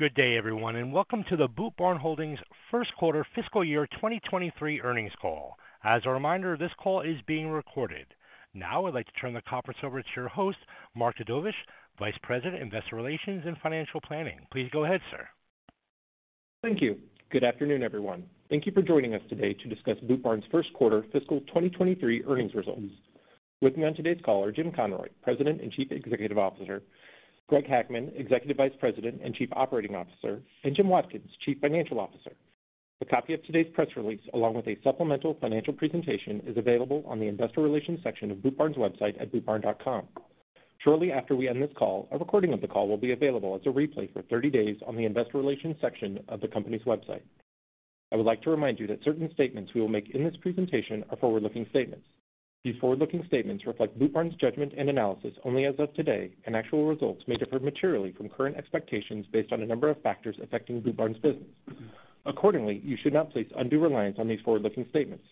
Good day, everyone, and welcome to the Boot Barn Holdings First Quarter Fiscal Year 2023 Earnings Call. As a reminder, this call is being recorded. Now I'd like to turn the conference over to your host, Mark Dedovesh, Vice President, Investor Relations and Financial Planning. Please go ahead, sir. Thank you. Good afternoon, everyone. Thank you for joining us today to discuss Boot Barn's first quarter fiscal 2023 earnings results. With me on today's call are Jim Conroy, President and Chief Executive Officer, Greg Hackman, Executive Vice President and Chief Operating Officer, and Jim Watkins, Chief Financial Officer. A copy of today's press release, along with a supplemental financial presentation, is available on the Investor Relations section of Boot Barn's website at bootbarn.com. Shortly after we end this call, a recording of the call will be available as a replay for 30 days on the Investor Relations section of the company's website. I would like to remind you that certain statements we will make in this presentation are forward-looking statements. These forward-looking statements reflect Boot Barn's judgment and analysis only as of today, and actual results may differ materially from current expectations based on a number of factors affecting Boot Barn's business. Accordingly, you should not place undue reliance on these forward-looking statements.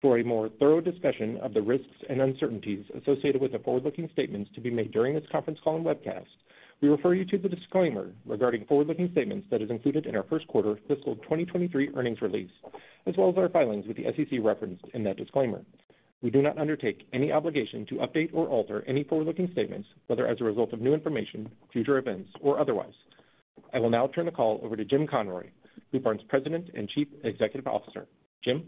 For a more thorough discussion of the risks and uncertainties associated with the forward-looking statements to be made during this conference call and webcast, we refer you to the disclaimer regarding forward-looking statements that is included in our first quarter fiscal 2023 earnings release, as well as our filings with the SEC referenced in that disclaimer. We do not undertake any obligation to update or alter any forward-looking statements, whether as a result of new information, future events, or otherwise. I will now turn the call over to Jim Conroy, Boot Barn's President and Chief Executive Officer. Jim.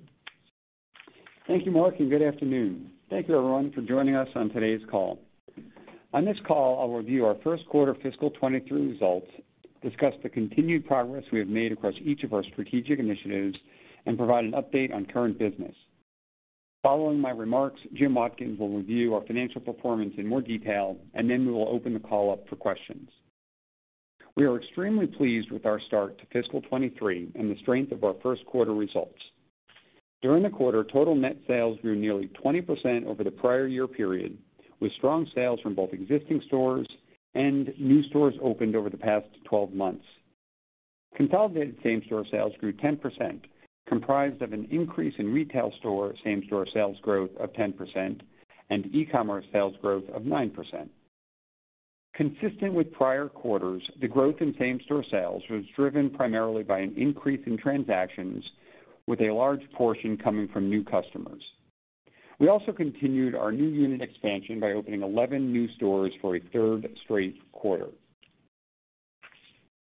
Thank you, Mark, and good afternoon. Thank you everyone for joining us on today's call. On this call, I'll review our first quarter fiscal 2023 results, discuss the continued progress we have made across each of our strategic initiatives, and provide an update on current business. Following my remarks, Jim Watkins will review our financial performance in more detail, and then we will open the call up for questions. We are extremely pleased with our start to fiscal 2023 and the strength of our first quarter results. During the quarter, total net sales grew nearly 20% over the prior year period, with strong sales from both existing stores and new stores opened over the past 12 months. Consolidated same-store sales grew 10%, comprised of an increase in retail store same-store sales growth of 10% and e-commerce sales growth of 9%. Consistent with prior quarters, the growth in same-store sales was driven primarily by an increase in transactions with a large portion coming from new customers. We also continued our new unit expansion by opening 11 new stores for a third straight quarter.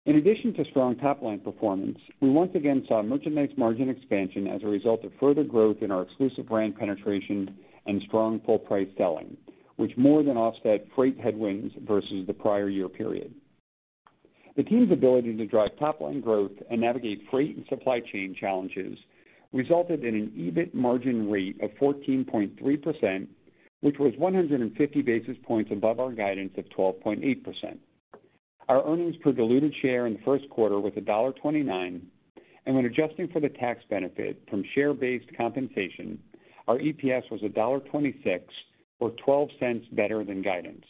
In addition to strong top-line performance, we once again saw merchandise margin expansion as a result of further growth in our exclusive brand penetration and strong full price selling, which more than offset freight headwinds versus the prior year period. The team's ability to drive top-line growth and navigate freight and supply chain challenges resulted in an EBIT margin rate of 14.3%, which was 150 basis points above our guidance of 12.8%. Our earnings per diluted share in the first quarter was $1.29, and when adjusting for the tax benefit from share-based compensation, our EPS was $1.26 or $0.12 better than guidance.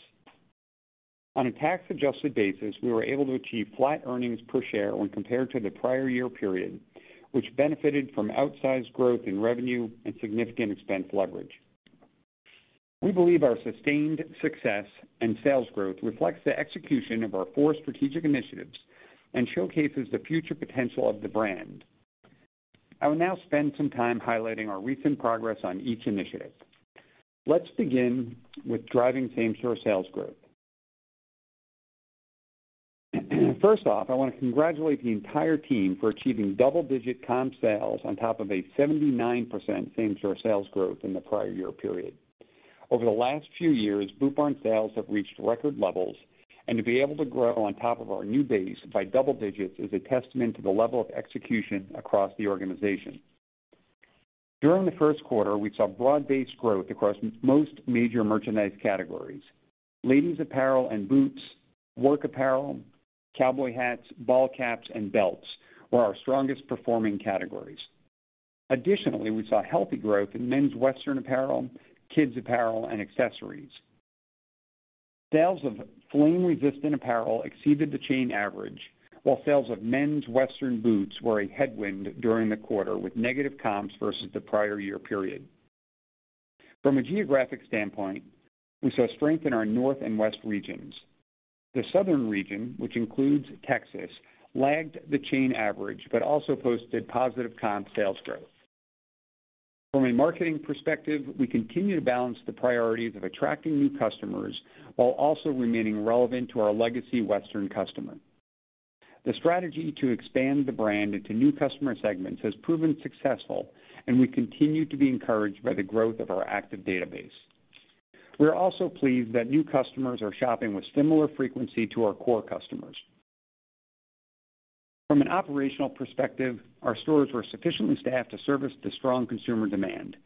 On a tax-adjusted basis, we were able to achieve flat earnings per share when compared to the prior year period, which benefited from outsized growth in revenue and significant expense leverage. We believe our sustained success and sales growth reflects the execution of our four strategic initiatives and showcases the future potential of the brand. I will now spend some time highlighting our recent progress on each initiative. Let's begin with driving same-store sales growth. First off, I want to congratulate the entire team for achieving double-digit comp sales on top of a 79% same-store sales growth in the prior year period. Over the last few years, Boot Barn sales have reached record levels, and to be able to grow on top of our new base by double digits is a testament to the level of execution across the organization. During the first quarter, we saw broad-based growth across most major merchandise categories. Ladies' apparel and boots, work apparel, cowboy hats, ball caps, and belts were our strongest performing categories. Additionally, we saw healthy growth in Men's Western Apparel, kids apparel and accessories. Sales of flame-resistant apparel exceeded the chain average, while sales of Men's Western Boots were a headwind during the quarter, with negative comps versus the prior year period. From a geographic standpoint, we saw strength in our North and West regions. The Southern region, which includes Texas, lagged the chain average, but also posted positive comp sales growth. From a marketing perspective, we continue to balance the priorities of attracting new customers while also remaining relevant to our legacy Western customer. The strategy to expand the brand into new customer segments has proven successful, and we continue to be encouraged by the growth of our active database. We are also pleased that new customers are shopping with similar frequency to our core customers. From an operational perspective, our stores were sufficiently staffed to service the strong consumer demand.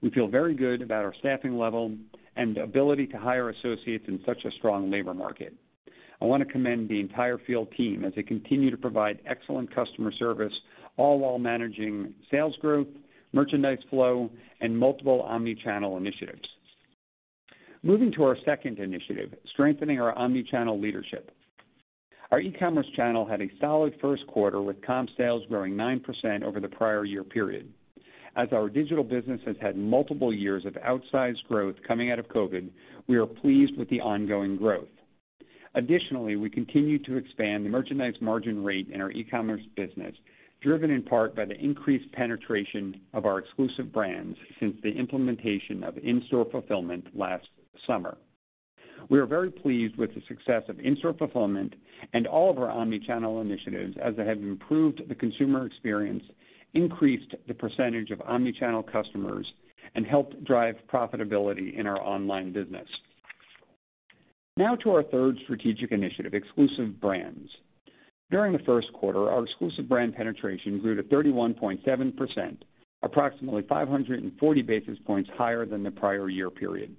We feel very good about our staffing level and ability to hire associates in such a strong labor market. I want to commend the entire field team as they continue to provide excellent customer service, all while managing sales growth, merchandise flow, and multiple omnichannel initiatives. Moving to our second initiative, strengthening our omnichannel leadership. Our e-commerce channel had a solid first quarter with comp sales growing 9% over the prior year period. As our digital business has had multiple years of outsized growth coming out of COVID, we are pleased with the ongoing growth. Additionally, we continue to expand the merchandise margin rate in our e-commerce business, driven in part by the increased penetration of our exclusive brands since the implementation of in-store fulfillment last summer. We are very pleased with the success of in-store fulfillment and all of our omni-channel initiatives as they have improved the consumer experience, increased the percentage of omni-channel customers, and helped drive profitability in our online business. Now to our third strategic initiative, exclusive brands. During the first quarter, our exclusive brand penetration grew to 31.7%, approximately 540 basis points higher than the prior year period.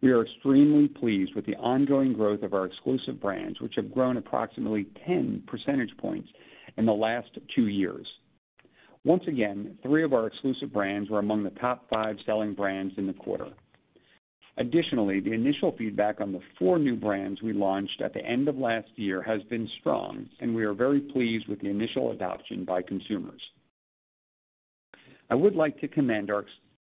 We are extremely pleased with the ongoing growth of our exclusive brands, which have grown approximately 10 percentage points in the last two years. Once again, three of our exclusive brands were among the top five selling brands in the quarter. Additionally, the initial feedback on the four new brands we launched at the end of last year has been strong, and we are very pleased with the initial adoption by consumers. I would like to commend our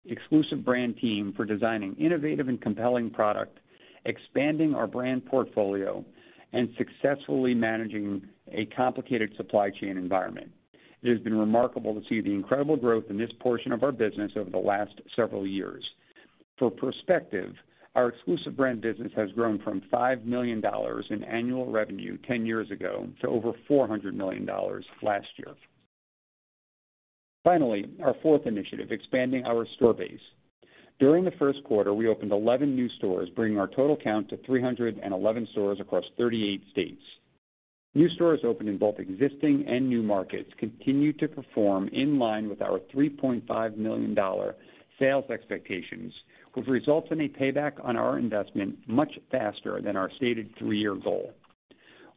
exclusive brand team for designing innovative and compelling products, expanding our brand portfolio and successfully managing a complicated supply chain environment. It has been remarkable to see the incredible growth in this portion of our business over the last several years. For perspective, our exclusive brand business has grown from $5 million in annual revenue 10 years ago to over $400 million last year. Finally, our fourth initiative, expanding our store base. During the first quarter, we opened 11 new stores, bringing our total count to 311 stores across 38 states. New stores opened in both existing and new markets continue to perform in line with our $3.5 million sales expectations, which results in a payback on our investment much faster than our stated three-year goal.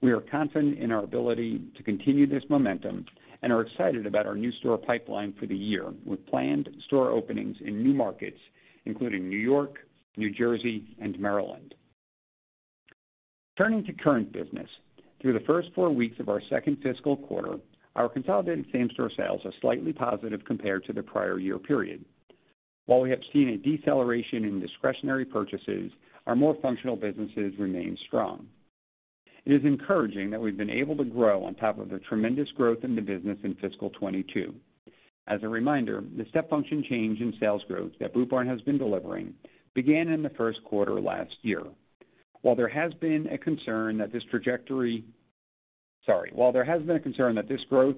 We are confident in our ability to continue this momentum and are excited about our new store pipeline for the year, with planned store openings in new markets, including New York, New Jersey, and Maryland. Turning to current business. Through the first four weeks of our second fiscal quarter, our consolidated same-store sales are slightly positive compared to the prior year period. While we have seen a deceleration in discretionary purchases, our more functional businesses remain strong. It is encouraging that we've been able to grow on top of the tremendous growth in the business in fiscal 2022. As a reminder, the step function change in sales growth that Boot Barn has been delivering began in the first quarter last year. While there has been a concern that this growth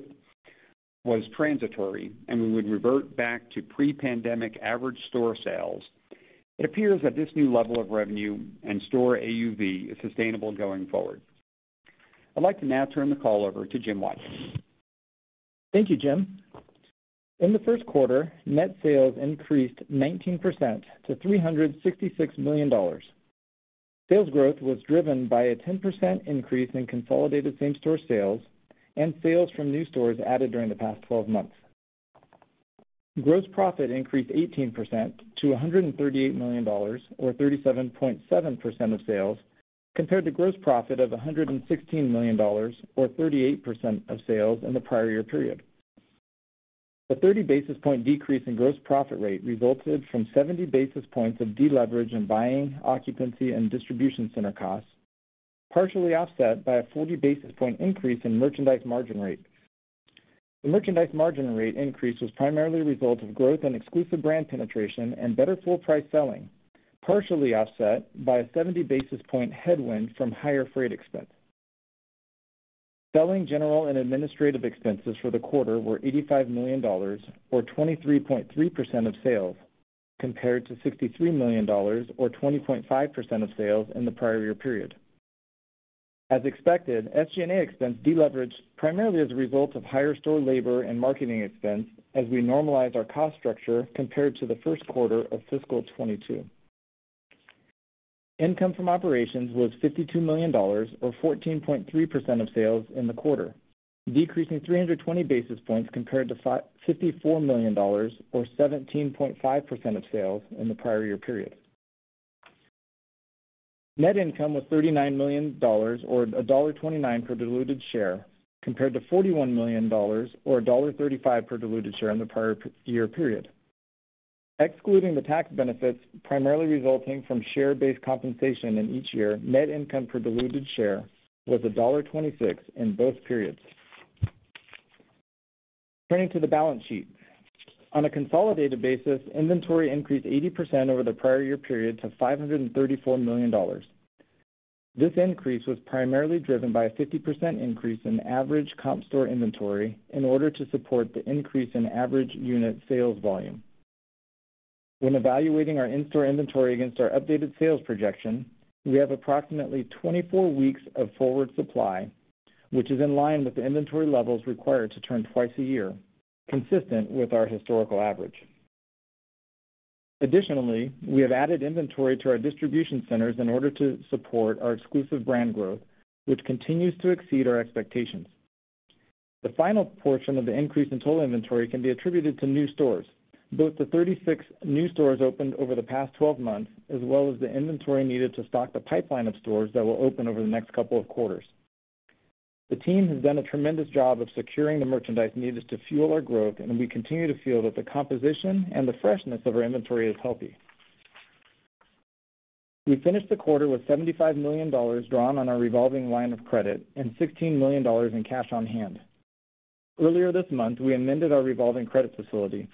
was transitory and we would revert back to pre-pandemic average store sales, it appears that this new level of revenue and store AUV is sustainable going forward. I'd like to now turn the call over to Jim Watkins. Thank you, Jim. In the first quarter, net sales increased 19% to $366 million. Sales growth was driven by a 10% increase in consolidated same-store sales and sales from new stores added during the past 12 months. Gross profit increased 18% to $138 million or 37.7% of sales compared to gross profit of $116 million or 38% of sales in the prior year period. The 30 basis point decrease in gross profit rate resulted from 70 basis points of deleverage in buying, occupancy, and distribution center costs, partially offset by a 40 basis point increase in merchandise margin rate. The merchandise margin rate increase was primarily a result of growth in exclusive brand penetration and better full price selling, partially offset by a 70 basis point headwind from higher freight expense. Selling general and administrative expenses for the quarter were $85 million or 23.3% of sales, compared to $63 million or 20.5% of sales in the prior year period. As expected, SG&A expense deleveraged primarily as a result of higher store labor and marketing expense as we normalized our cost structure compared to the first quarter of fiscal 2022. Income from operations was $52 million or 14.3% of sales in the quarter, decreasing 320 basis points compared to $54 million or 17.5% of sales in the prior year period. Net income was $39 million or $1.29 per diluted share, compared to $41 million or $1.35 per diluted share in the prior year period. Excluding the tax benefits primarily resulting from share-based compensation in each year, net income per diluted share was $1.26 in both periods. Turning to the balance sheet. On a consolidated basis, inventory increased 80% over the prior year period to $534 million. This increase was primarily driven by a 50% increase in average comp store inventory in order to support the increase in average unit sales volume. When evaluating our in-store inventory against our updated sales projection, we have approximately 24 weeks of forward supply, which is in line with the inventory levels required to turn twice a year, consistent with our historical average. Additionally, we have added inventory to our distribution centers in order to support our exclusive brand growth, which continues to exceed our expectations. The final portion of the increase in total inventory can be attributed to new stores, both the 36 new stores opened over the past 12 months, as well as the inventory needed to stock the pipeline of stores that will open over the next couple of quarters. The team has done a tremendous job of securing the merchandise needed to fuel our growth, and we continue to feel that the composition and the freshness of our inventory is healthy. We finished the quarter with $75 million drawn on our revolving line of credit and $16 million in cash on hand. Earlier this month, we amended our revolving credit facility.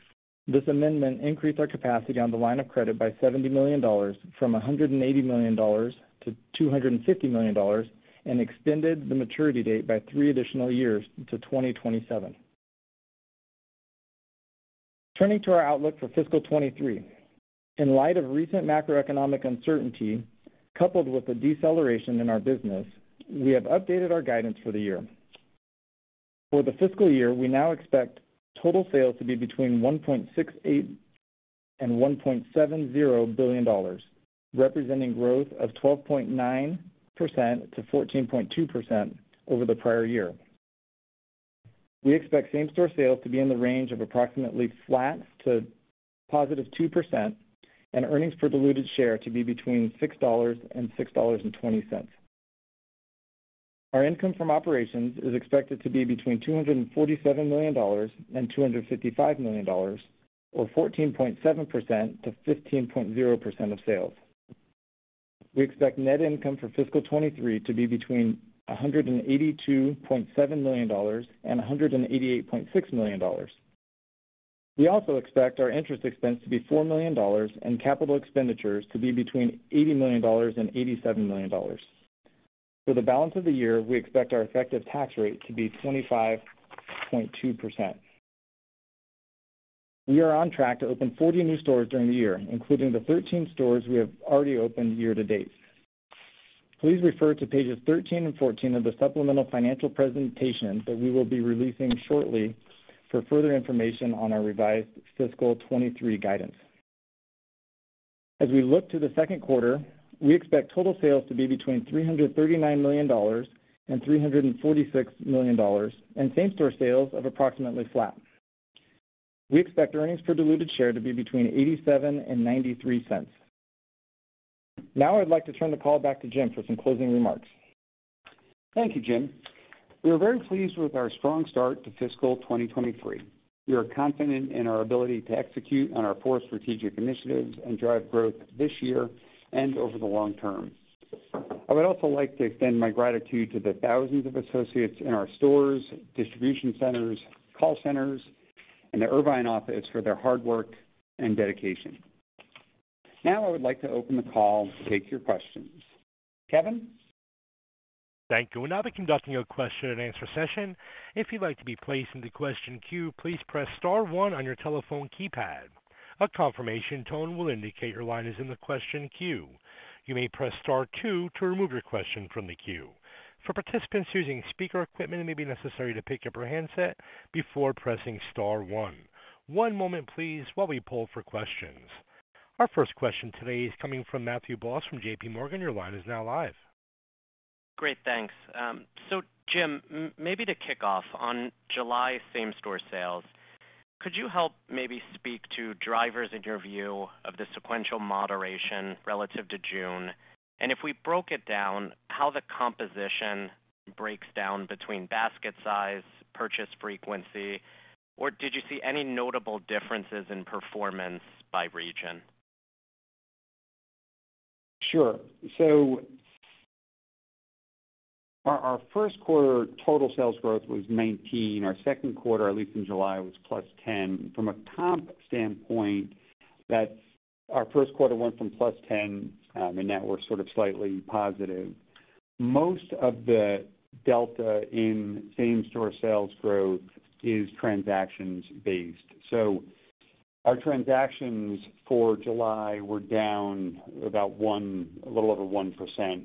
This amendment increased our capacity on the line of credit by $70 million from $180 million-$250 million and extended the maturity date by three additional years to 2027. Turning to our outlook for fiscal 2023. In light of recent macroeconomic uncertainty coupled with the deceleration in our business, we have updated our guidance for the year. For the fiscal year, we now expect total sales to be between $1.68 billion and $1.70 billion, representing growth of 12.9%-14.2% over the prior year. We expect same-store sales to be in the range of approximately flat to +2% and earnings per diluted share to be between $6 and $6.20. Our income from operations is expected to be between $247 million and $255 million or 14.7%-15.0% of sales. We expect net income for fiscal 2023 to be between $182.7 million and $188.6 million. We also expect our interest expense to be $4 million and capital expenditures to be between $80 million and $87 million. For the balance of the year, we expect our effective tax rate to be 25.2%. We are on track to open 40 new stores during the year, including the 13 stores we have already opened year to date. Please refer to pages 13 and 14 of the supplemental financial presentation that we will be releasing shortly for further information on our revised fiscal 2023 guidance. As we look to the second quarter, we expect total sales to be between $339 million and $346 million, and same-store sales of approximately flat. We expect earnings per diluted share to be between $0.87 and $0.93. Now I'd like to turn the call back to Jim for some closing remarks. Thank you, Jim. We are very pleased with our strong start to fiscal 2023. We are confident in our ability to execute on our four strategic initiatives and drive growth this year and over the long term. I would also like to extend my gratitude to the thousands of associates in our stores, distribution centers, call centers, and the Irvine office for their hard work and dedication. Now I would like to open the call to take your questions. Kevin? Thank you. We'll now be conducting a question and answer session. If you'd like to be placed in the question queue, please press star 1 on your telephone keypad. A confirmation tone will indicate your line is in the question queue. You may press star 2 to remove your question from the queue. For participants using speaker equipment, it may be necessary to pick up your handset before pressing star 1. One moment please while we poll for questions. Our first question today is coming from Matthew Boss from J.P. Morgan. Your line is now live. Great, thanks. So Jim, maybe to kick off on July same-store sales, could you help maybe speak to drivers in your view of the sequential moderation relative to June? If we broke it down, how the composition breaks down between basket size, purchase frequency, or did you see any notable differences in performance by region? Sure. Our first quarter total sales growth was 19%. Our second quarter, at least in July, was +10%. From a comp standpoint, that's our first quarter went from +10%, and now we're sort of slightly positive. Most of the delta in same-store sales growth is transactions based. Our transactions for July were down about 1%, a little over 1%.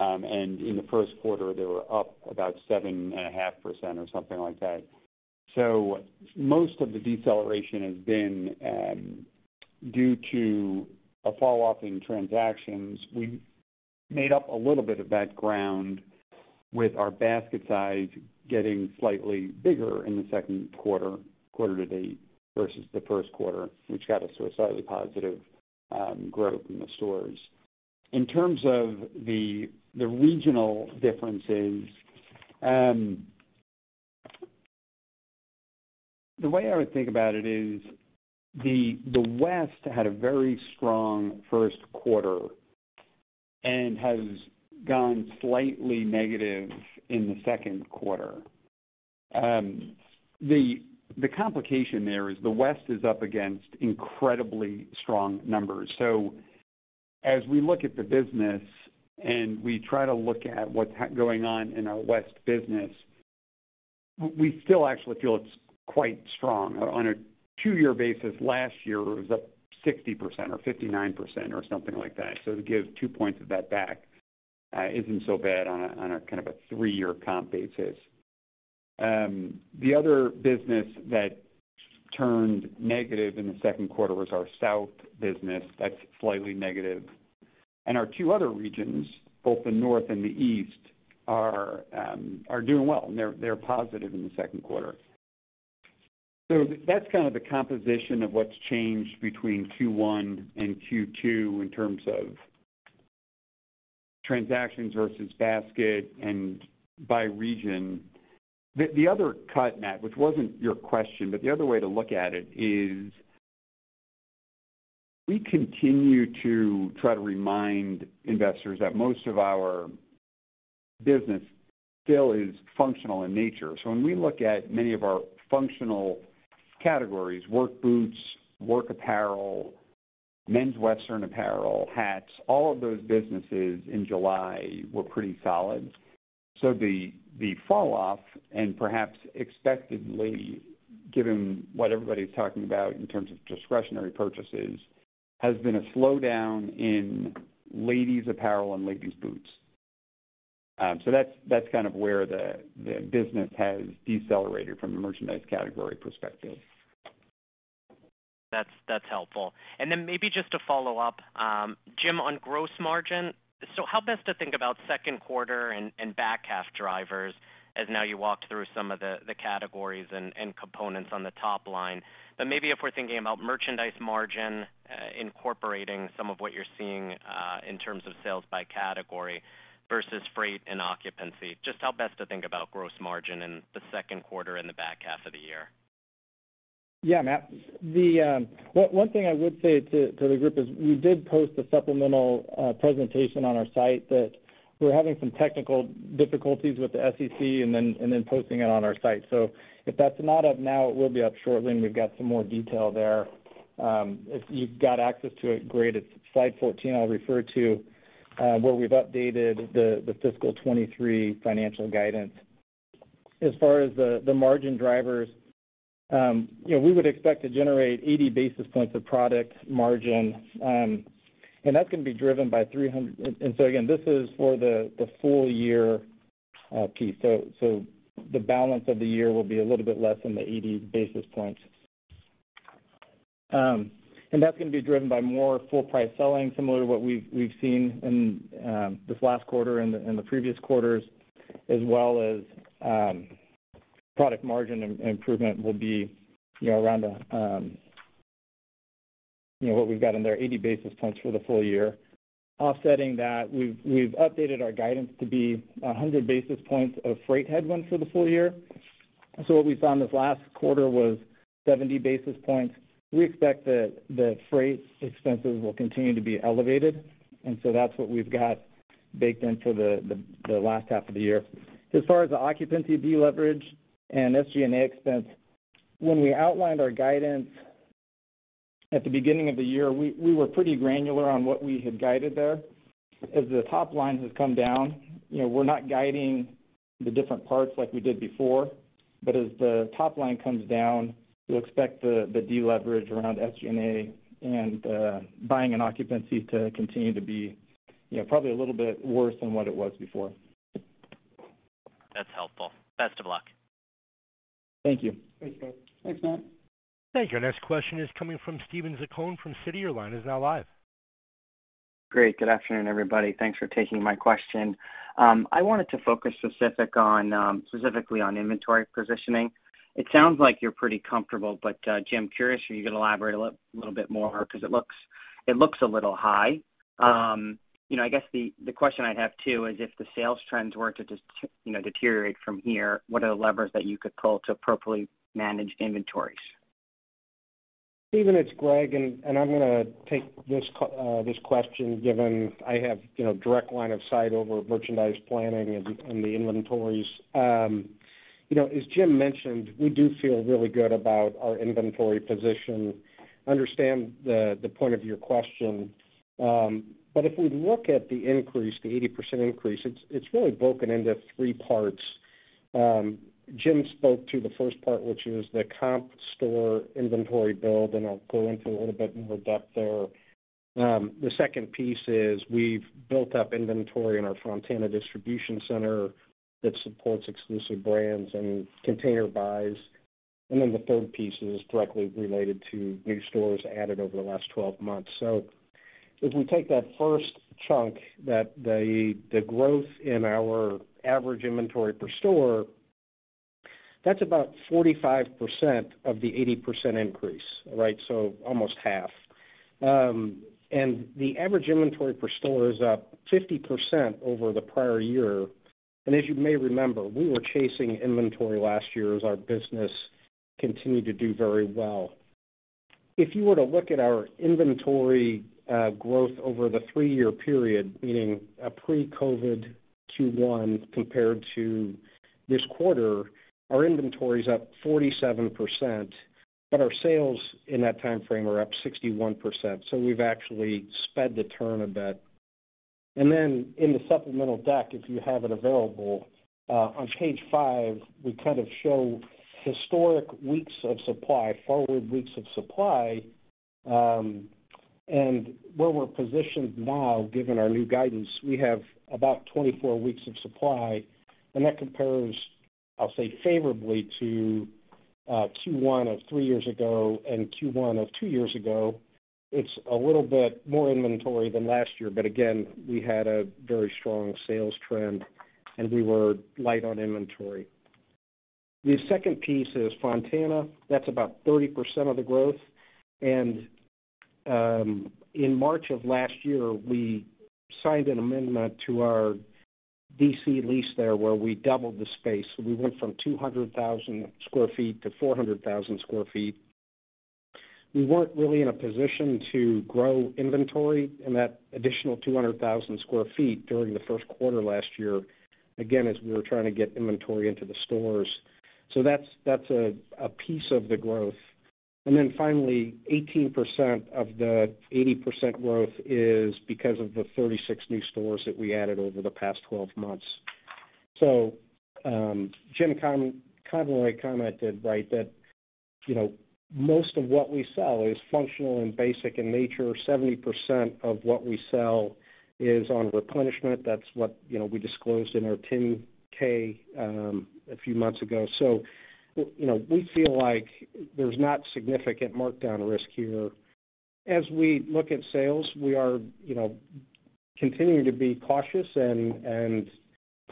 In the first quarter, they were up about 7.5% or something like that. Most of the deceleration has been due to a falloff in transactions. We made up a little bit of that ground with our basket size getting slightly bigger in the second quarter to date versus the first quarter, which got us to a slightly positive growth in the stores. In terms of the regional differences, the way I would think about it is the West had a very strong first quarter and has gone slightly negative in the second quarter. The complication there is the West is up against incredibly strong numbers. As we look at the business and we try to look at what's going on in our West business, we still actually feel it's quite strong. On a two-year basis, last year was up 60% or 59% or something like that. To give 2 points of that back isn't so bad on a kind of three-year comp basis. The other business that turned negative in the second quarter was our South business. That's slightly negative. Our two other regions, both the North and the East, are doing well, and they're positive in the second quarter. That's kind of the composition of what's changed between Q1 and Q2 in terms of transactions versus basket and by region. The other cut, Matt, which wasn't your question, but the other way to look at it is we continue to try to remind investors that most of our business still is functional in nature. When we look at many of our functional categories, Work Boots, Work Apparel, Men's Western Apparel, Hats, all of those businesses in July were pretty solid. The fall off, and perhaps expectedly, given what everybody's talking about in terms of discretionary purchases, has been a slowdown in ladies apparel and ladies boots. That's kind of where the business has decelerated from a merchandise category perspective. That's helpful. Maybe just to follow up, Jim, on gross margin. How best to think about second quarter and back half drivers as now you walk through some of the categories and components on the top line. Maybe if we're thinking about merchandise margin, incorporating some of what you're seeing in terms of sales by category versus freight and occupancy, just how best to think about gross margin in the second quarter and the back half of the year. Yeah, Matthew. One thing I would say to the group is we did post a supplemental presentation on our site that we're having some technical difficulties with the SEC and then posting it on our site. If that's not up now, it will be up shortly, and we've got some more detail there. If you've got access to it, great. It's slide 14 I'll refer to, where we've updated the fiscal 2023 financial guidance. As far as the margin drivers, you know, we would expect to generate 80 basis points of product margin, and that's gonna be driven by 300. So again, this is for the full year piece. The balance of the year will be a little bit less than the 80 basis points. That's gonna be driven by more full price selling, similar to what we've seen in this last quarter and the previous quarters, as well as product margin improvement will be, you know, around what we've got in there, 80 basis points for the full year. Offsetting that, we've updated our guidance to be 100 basis points of freight headwinds for the full year. What we found this last quarter was 70 basis points. We expect that the freight expenses will continue to be elevated, and that's what we've got baked into the last half of the year. As far as the occupancy deleverage and SG&A expense, when we outlined our guidance at the beginning of the year, we were pretty granular on what we had guided there. As the top line has come down, you know, we're not guiding the different parts like we did before. As the top line comes down, we expect the deleverage around SG&A and buying and occupancy to continue to be, you know, probably a little bit worse than what it was before. That's helpful. Best of luck. Thank you. Thanks, Matt. Thanks, Matt. Thank you. Next question is coming from Steven Zaccone from Citi. Your line is now live. Great. Good afternoon, everybody. Thanks for taking my question. I wanted to focus specifically on inventory positioning. It sounds like you're pretty comfortable, but, Jim, curious if you could elaborate a little bit more 'cause it looks a little high. You know, I guess the question I'd have too is if the sales trends were to just, you know, deteriorate from here, what are the levers that you could pull to appropriately manage inventories? Steven, it's Greg, and I'm gonna take this question given I have, you know, direct line of sight over merchandise planning and the inventories. You know, as Jim mentioned, we do feel really good about our inventory position. Understand the point of your question. If we look at the increase, the 80% increase, it's really broken into three parts. Jim spoke to the first part, which is the comp store inventory build, and I'll go into a little bit more depth there. The second piece is we've built up inventory in our Fontana distribution center that supports exclusive brands and container buys. The third piece is directly related to new stores added over the last 12 months. If we take that first chunk that the growth in our average inventory per store, that's about 45% of the 80% increase, right? Almost half. The average inventory per store is up 50% over the prior year. As you may remember, we were chasing inventory last year as our business continued to do very well. If you were to look at our inventory growth over the three-year period, meaning a pre-COVID Q1 compared to this quarter, our inventory is up 47%, but our sales in that timeframe are up 61%. We've actually sped the turn a bit. In the supplemental deck, if you have it available, on page 5, we kind of show historic weeks of supply, forward weeks of supply, and where we're positioned now, given our new guidance, we have about 24 weeks of supply, and that compares, I'll say, favorably to Q1 of three years ago and Q1 of two years ago. It's a little bit more inventory than last year, but again, we had a very strong sales trend. We were light on inventory. The second piece is Fontana, that's about 30% of the growth. In March of last year, we signed an amendment to our DC lease there, where we doubled the space. We went from 200,000 sq ft to 400,000 sq ft. We weren't really in a position to grow inventory in that additional 200,000 square feet during the first quarter last year, again, as we were trying to get inventory into the stores. That's a piece of the growth. Finally, 18% of the 80% growth is because of the 36 new stores that we added over the past 12 months. Jim Conroy commented, right, that, you know, most of what we sell is functional and basic in nature. 70% of what we sell is on replenishment. That's what, you know, we disclosed in our 10-K a few months ago. You know, we feel like there's not significant markdown risk here. As we look at sales, we are, you know, continuing to be cautious and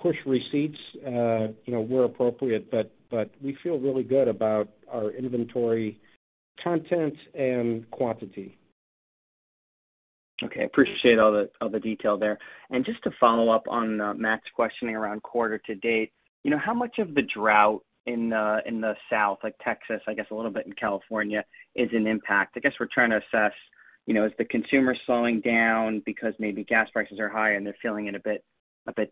push receipts, you know, where appropriate. We feel really good about our inventory content and quantity. Okay. Appreciate all the detail there. Just to follow up on Matt's questioning around quarter to date. You know, how much of the drought in the South, like Texas, I guess a little bit in California, is an impact? I guess we're trying to assess, you know, is the consumer slowing down because maybe gas prices are high, and they're feeling it a bit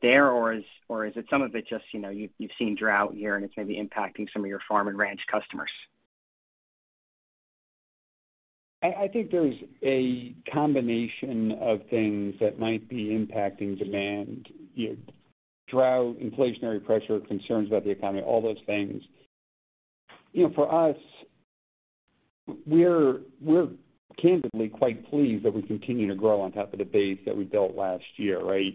there, or is it some of it just, you know, you've seen drought here, and it's maybe impacting some of your farm and ranch customers. I think there's a combination of things that might be impacting demand. You know, drought, inflationary pressure, concerns about the economy, all those things. You know, for us, we're candidly quite pleased that we continue to grow on top of the base that we built last year, right?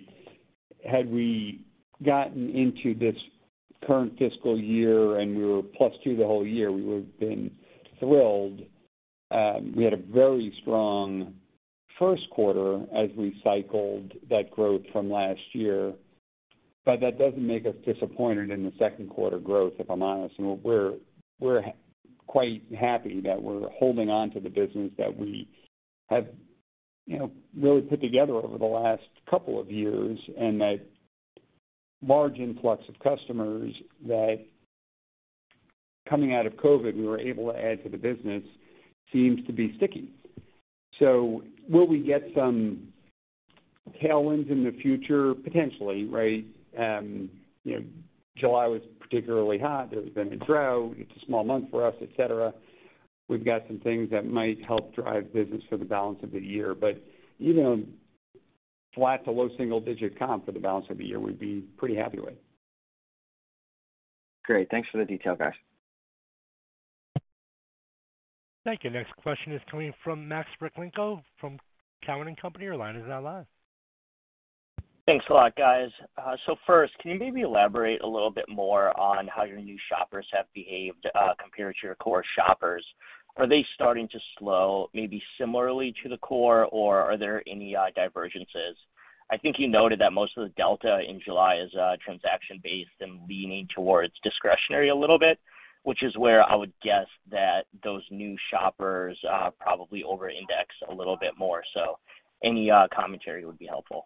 Had we gotten into this current fiscal year, and we were +2% the whole year, we would have been thrilled. We had a very strong first quarter as we cycled that growth from last year. That doesn't make us disappointed in the second quarter growth, if I'm honest. We're quite happy that we're holding on to the business that we have, you know, really put together over the last couple of years, and that large influx of customers that coming out of COVID, we were able to add to the business seems to be sticking. Will we get some tailwinds in the future? Potentially, right? You know, July was particularly hot. There's been the drought. It's a small month for us, et cetera. We've got some things that might help drive business for the balance of the year, but even a flat to low single-digit comp for the balance of the year we'd be pretty happy with. Great. Thanks for the detail, guys. Thank you. Next question is coming from Max Rakhlenko from Cowen and Company. Your line is now live. Thanks a lot, guys. First, can you maybe elaborate a little bit more on how your new shoppers have behaved compared to your core shoppers? Are they starting to slow, maybe similarly to the core, or are there any divergences? I think you noted that most of the delta in July is transaction-based and leaning towards discretionary a little bit, which is where I would guess that those new shoppers probably over-index a little bit more. Any commentary would be helpful.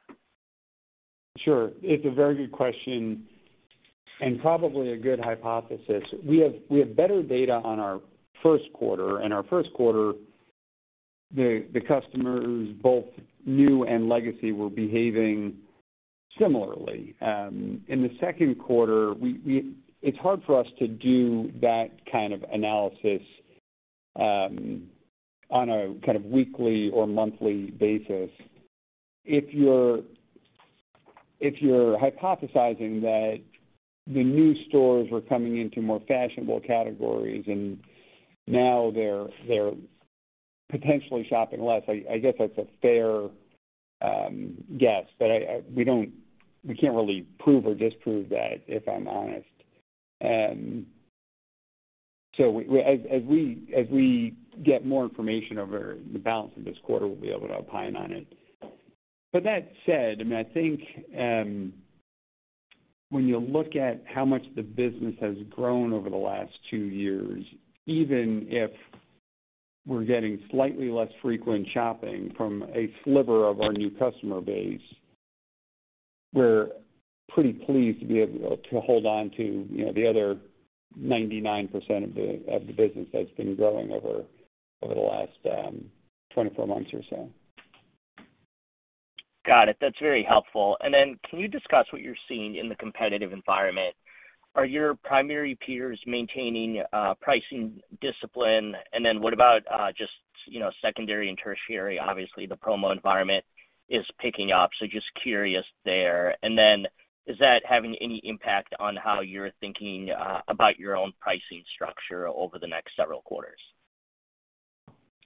Sure. It's a very good question and probably a good hypothesis. We have better data on our first quarter. In our first quarter, the customers, both new and legacy, were behaving similarly. In the second quarter, it's hard for us to do that kind of analysis on a kind of weekly or monthly basis. If you're hypothesizing that the new stores were coming into more fashionable categories and now they're potentially shopping less, I guess that's a fair guess. But we can't really prove or disprove that, if I'm honest. As we get more information over the balance of this quarter, we'll be able to opine on it. That said, I mean, I think, when you look at how much the business has grown over the last two years, even if we're getting slightly less frequent shopping from a sliver of our new customer base, we're pretty pleased to be able to hold on to, you know, the other 99% of the business that's been growing over the last 24 months or so. Got it. That's very helpful. Then can you discuss what you're seeing in the competitive environment? Are your primary peers maintaining pricing discipline? Then what about just, you know, secondary and tertiary? Obviously, the promo environment is picking up, so just curious there. Then is that having any impact on how you're thinking about your own pricing structure over the next several quarters?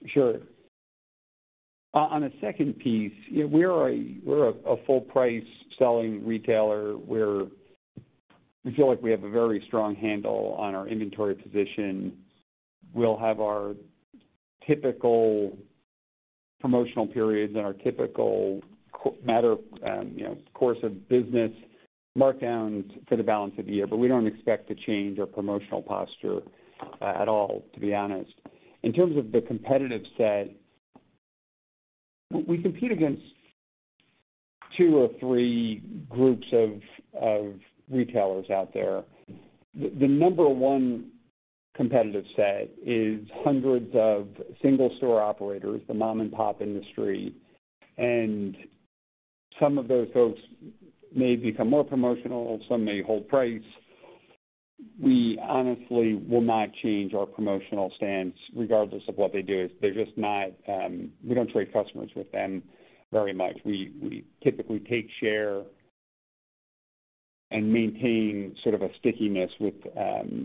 Sure. On the second piece, we're a full-price selling retailer. We feel like we have a very strong handle on our inventory position. We'll have our typical promotional periods and our typical course of business markdowns for the balance of the year. We don't expect to change our promotional posture at all, to be honest. In terms of the competitive set, we compete against two or three groups of retailers out there. The number one competitive set is hundreds of single store operators, the mom and pop industry. Some of those folks may become more promotional, some may hold price. We honestly will not change our promotional stance regardless of what they do. They're just not. We don't trade customers with them very much. We typically take share and maintain sort of a stickiness with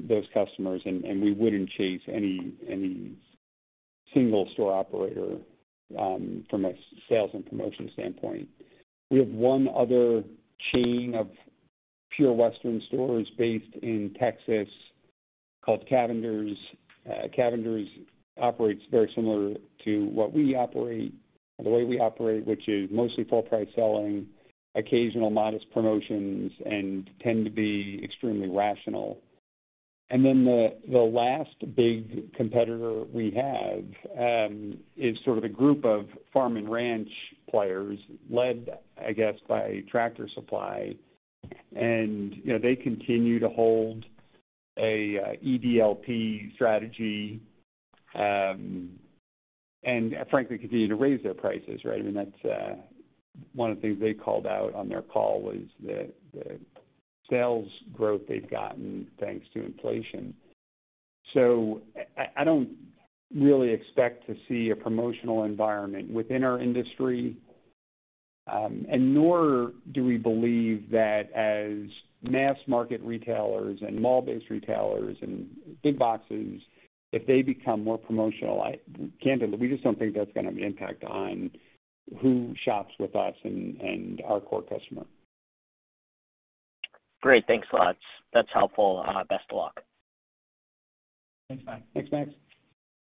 those customers, and we wouldn't chase any single store operator from a sales and promotion standpoint. We have one other chain of pure Western stores based in Texas called Cavender's. Cavender's operates very similar to what we operate, the way we operate, which is mostly full price selling, occasional modest promotions, and tend to be extremely rational. Then the last big competitor we have is sort of a group of farm and ranch players led, I guess, by Tractor Supply. You know, they continue to hold an EDLP strategy, and frankly continue to raise their prices, right? I mean, that's one of the things they called out on their call was the sales growth they've gotten thanks to inflation. I don't really expect to see a promotional environment within our industry, and nor do we believe that as mass market retailers and mall-based retailers and big boxes, if they become more promotional, candidly, we just don't think that's gonna impact on who shops with us and our core customer. Great. Thanks a lot. That's helpful. Best of luck. Thanks, Max. Thanks, Max.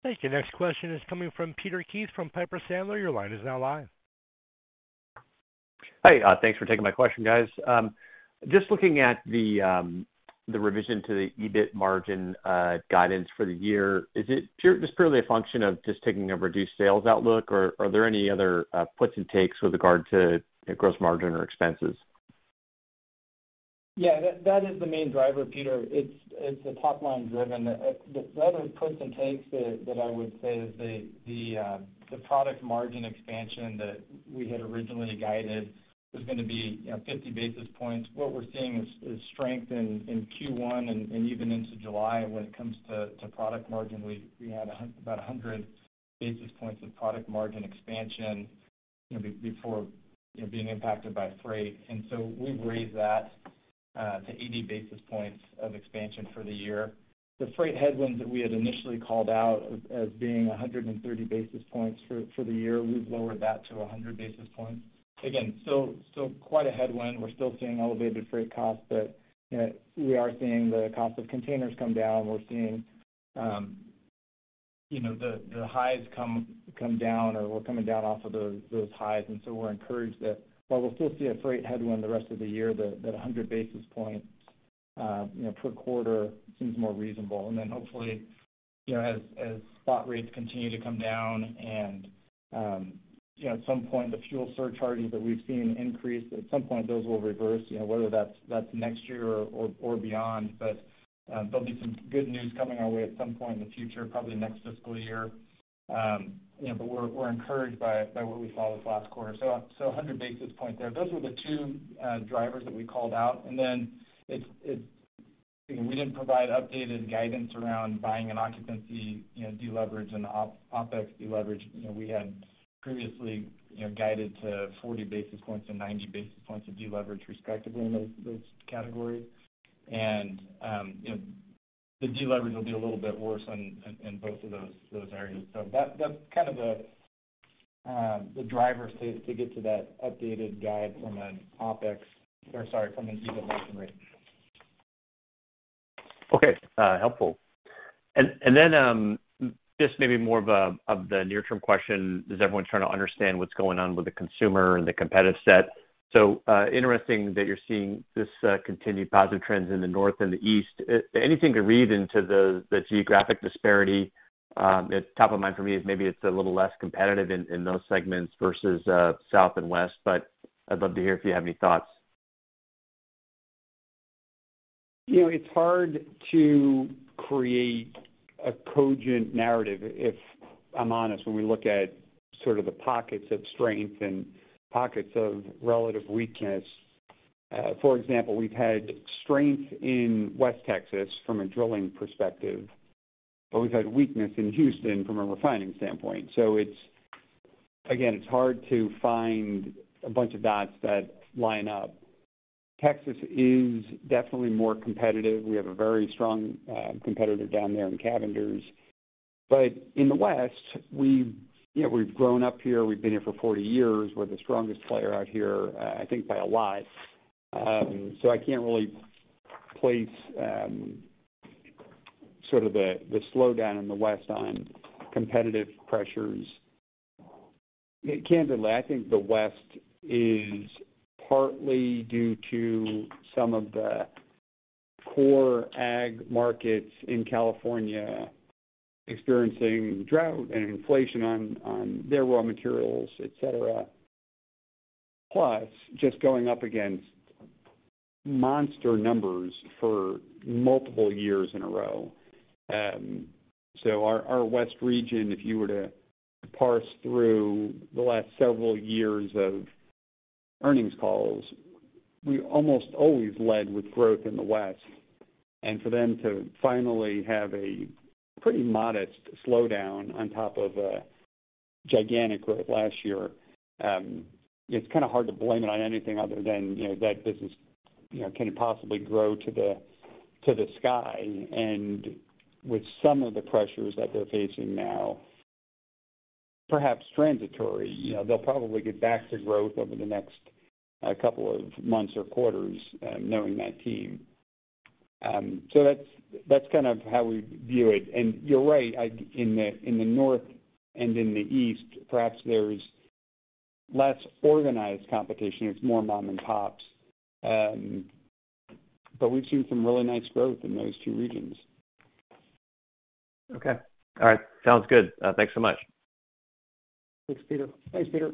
Thank you. Next question is coming from Peter Keith from Piper Sandler. Your line is now live. Hi. Thanks for taking my question, guys. Just looking at the revision to the EBIT margin guidance for the year, is it just purely a function of just taking a reduced sales outlook, or are there any other puts and takes with regard to gross margin or expenses? Yeah. That is the main driver, Peter. It's a top line driven. The other puts and takes that I would say is the product margin expansion that we had originally guided was gonna be 50 basis points. What we're seeing is strength in Q1 and even into July when it comes to product margin. We had about 100 basis points of product margin expansion, you know, before being impacted by freight. We've raised that to 80 basis points of expansion for the year. The freight headwinds that we had initially called out as being 130 basis points for the year, we've lowered that to 100 basis points. Again, quite a headwind. We're still seeing elevated freight costs, but, you know, we are seeing the cost of containers come down. We're seeing, you know, the highs come down, or we're coming down off of those highs. We're encouraged that while we'll still see a freight headwind the rest of the year, that 100 basis points, you know, per quarter seems more reasonable. Then hopefully, you know, as spot rates continue to come down and, you know, at some point the fuel surcharges that we've seen increase, at some point those will reverse, you know, whether that's next year or beyond. There'll be some good news coming our way at some point in the future, probably next fiscal year. You know, we're encouraged by what we saw this last quarter. 100 basis points there. Those were the two drivers that we called out. It's you know, we didn't provide updated guidance around buying and occupancy, you know, deleverage and OpEx deleverage. You know, we had previously, you know, guided to 40 basis points and 90 basis points of deleverage respectively in those categories. You know, the deleverage will be a little bit worse in both of those areas. That's kind of the drivers to get to that updated guide from an OpEx or sorry, from an EBIT margin rate. Okay, helpful. Then this may be more of the near term question as everyone's trying to understand what's going on with the consumer and the competitive set. Interesting that you're seeing this continued positive trends in the North and the East. Anything to read into the geographic disparity? Top of mind for me is maybe it's a little less competitive in those segments versus South and West, but I'd love to hear if you have any thoughts. You know, it's hard to create a cogent narrative, if I'm honest, when we look at sort of the pockets of strength and pockets of relative weakness. For example, we've had strength in West Texas from a drilling perspective, but we've had weakness in Houston from a refining standpoint. Again, it's hard to find a bunch of dots that line up. Texas is definitely more competitive. We have a very strong competitor down there in Cavender's. In the West, you know, we've grown up here, we've been here for 40 years. We're the strongest player out here, I think by a lot. I can't really place sort of the slowdown in the West on competitive pressures. Candidly, I think the West is partly due to some of the core ag markets in California experiencing drought and inflation on their raw materials, et cetera. Plus, just going up against monster numbers for multiple years in a row. So our West region, if you were to parse through the last several years of earnings calls, we almost always led with growth in the West. For them to finally have a pretty modest slowdown on top of a gigantic growth last year, it's kinda hard to blame it on anything other than, you know, that business, you know, can possibly grow to the sky. With some of the pressures that they're facing now, perhaps transitory, you know, they'll probably get back to growth over the next couple of months or quarters, knowing that team. That's kind of how we view it. You're right. In the North and in the East, perhaps there's less organized competition. It's more mom and pops. We've seen some really nice growth in those two regions. Okay. All right. Sounds good. Thanks so much. Thanks, Peter. Thanks, Peter.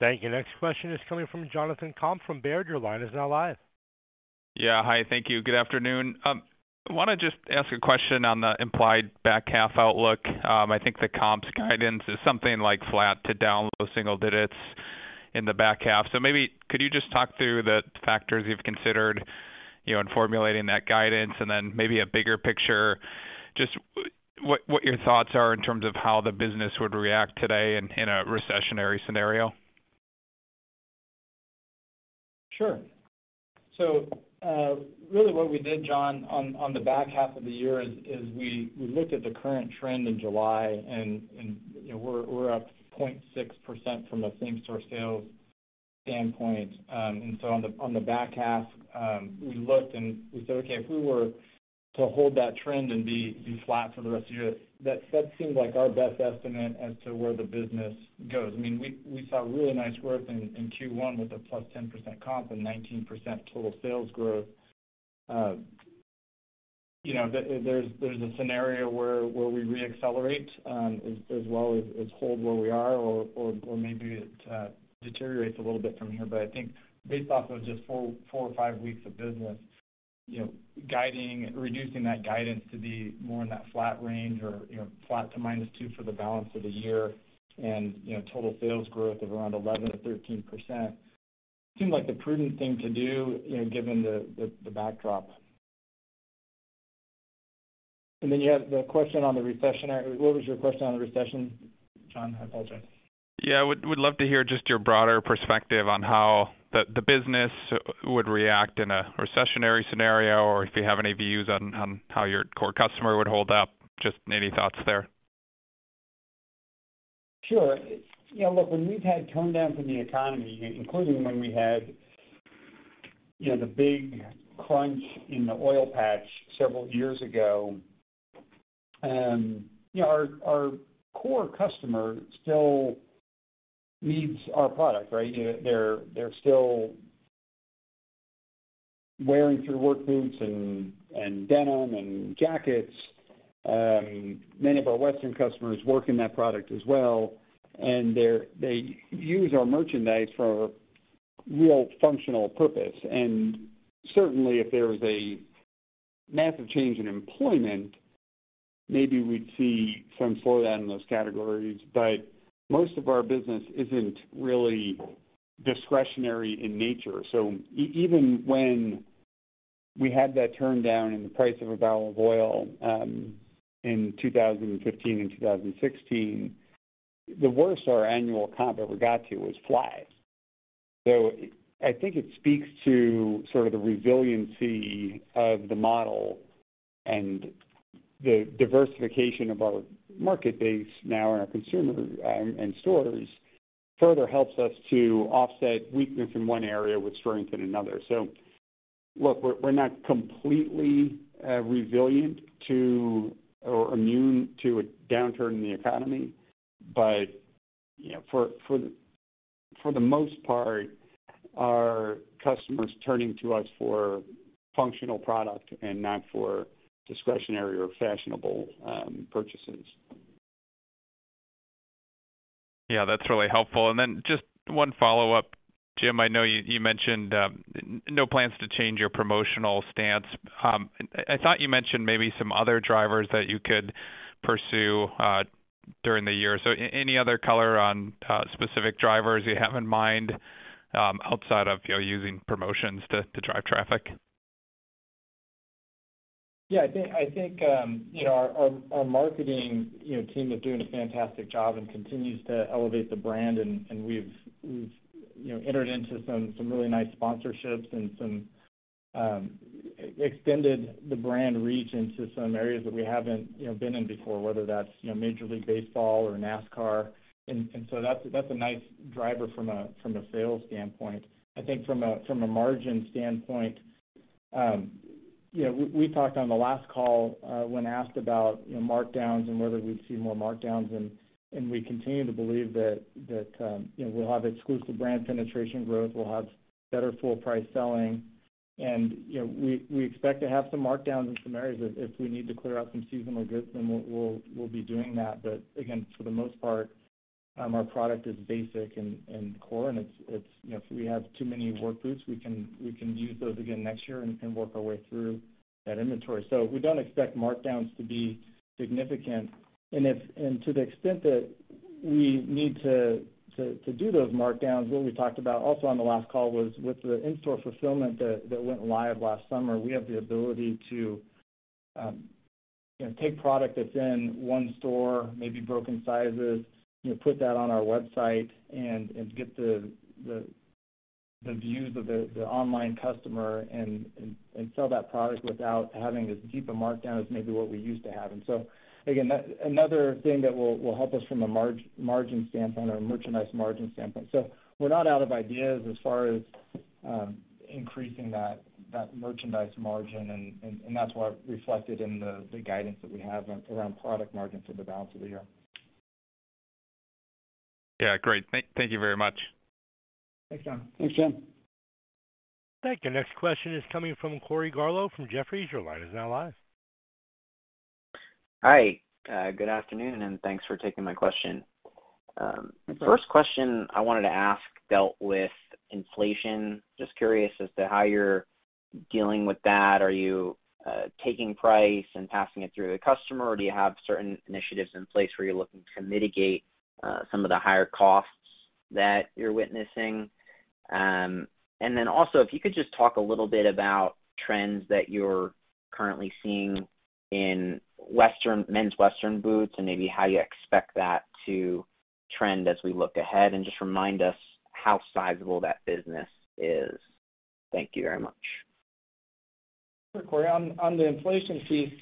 Thank you. Next question is coming from Jonathan Komp from Baird. Your line is now live. Yeah. Hi. Thank you. Good afternoon. Wanna just ask a question on the implied back half outlook. I think the comps guidance is something like flat to down low single digits in the back half. Maybe could you just talk through the factors you've considered, you know, in formulating that guidance? Then maybe a bigger picture, just what your thoughts are in terms of how the business would react today in a recessionary scenario. Sure. Really what we did, Jonathan, on the back half of the year is we looked at the current trend in July and you know, we're up 0.6% from a same store sales standpoint. On the back half, we looked and we said, "Okay, if we were to hold that trend and be flat for the rest of the year," that seemed like our best estimate as to where the business goes. I mean, we saw really nice growth in Q1 with a +10% comp and 19% total sales growth. You know, there's a scenario where we re-accelerate as well as hold where we are or maybe it deteriorates a little bit from here. I think based off of just four or five weeks of business, you know, guiding reducing that guidance to be more in that flat range or, you know, flat to -2% for the balance of the year and, you know, total sales growth of around 11%-13% seemed like the prudent thing to do, you know, given the backdrop. Then you had the question on the recession. What was your question on the recession, Jon? I apologize. Yeah. Would love to hear just your broader perspective on how the business would react in a recessionary scenario, or if you have any views on how your core customer would hold up. Just any thoughts there. Sure. You know, look, when we've had downturn from the economy, including when we had, you know, the big crunch in the oil patch several years ago, our core customer still needs our product, right? They're still wearing through work boots and denim and jackets. Many of our Western customers work in that product as well, and they use our merchandise for real functional purpose. Certainly, if there was a massive change in employment, maybe we'd see some slowdown in those categories. Most of our business isn't really discretionary in nature. Even when we had that downturn in the price of a barrel of oil, in 2015 and 2016, the worst our annual comp ever got to was flat. I think it speaks to sort of the resiliency of the model and the diversification of our market base now in our consumer and stores further helps us to offset weakness in one area with strength in another. Look, we're not completely resilient to or immune to a downturn in the economy. You know, for the most part, our customers turning to us for functional product and not for discretionary or fashionable purchases. Yeah, that's really helpful. Just one follow-up. Jim, I know you mentioned no plans to change your promotional stance. I thought you mentioned maybe some other drivers that you could pursue during the year. Any other color on specific drivers you have in mind outside of, you know, using promotions to drive traffic? Yeah, I think you know, our marketing you know, team is doing a fantastic job and continues to elevate the brand. We've you know, entered into some really nice sponsorships and some extended the brand reach into some areas that we haven't you know, been in before, whether that's you know, Major League Baseball or NASCAR. So that's a nice driver from a sales standpoint. I think from a margin standpoint. You know, we talked on the last call when asked about, you know, markdowns and whether we'd see more markdowns, and we continue to believe that you know, we'll have exclusive brand penetration growth. We'll have better full price selling. You know, we expect to have some markdowns in some areas. If we need to clear out some seasonal goods, then we'll be doing that. Again, for the most part, our product is basic and core. You know, if we have too many work boots, we can use those again next year and work our way through that inventory. We don't expect markdowns to be significant, To the extent that we need to do those markdowns, what we talked about also on the last call was with the in-store fulfillment that went live last summer, we have the ability to, you know, take product that's in one store, maybe broken sizes, you know, put that on our website and get the views of the online customer and sell that product without having as deep a markdown as maybe what we used to have. Again, that's another thing that will help us from a margin standpoint or merchandise margin standpoint. We're not out of ideas as far as increasing that merchandise margin and that's why it reflected in the guidance that we have around product margins for the balance of the year. Yeah. Great. Thank you very much. Thanks, John. Thanks, John. Thank you. Next question is coming from Corey Tarlowe from Jefferies. Your line is now live. Hi, good afternoon, and thanks for taking my question. First question I wanted to ask dealt with inflation. Just curious as to how you're dealing with that. Are you taking price and passing it through to the customer, or do you have certain initiatives in place where you're looking to mitigate some of the higher costs that you're witnessing? Then also, if you could just talk a little bit about trends that you're currently seeing in Men's Western Boots and maybe how you expect that to trend as we look ahead. Just remind us how sizable that business is. Thank you very much. Sure, Corey. On the inflation piece,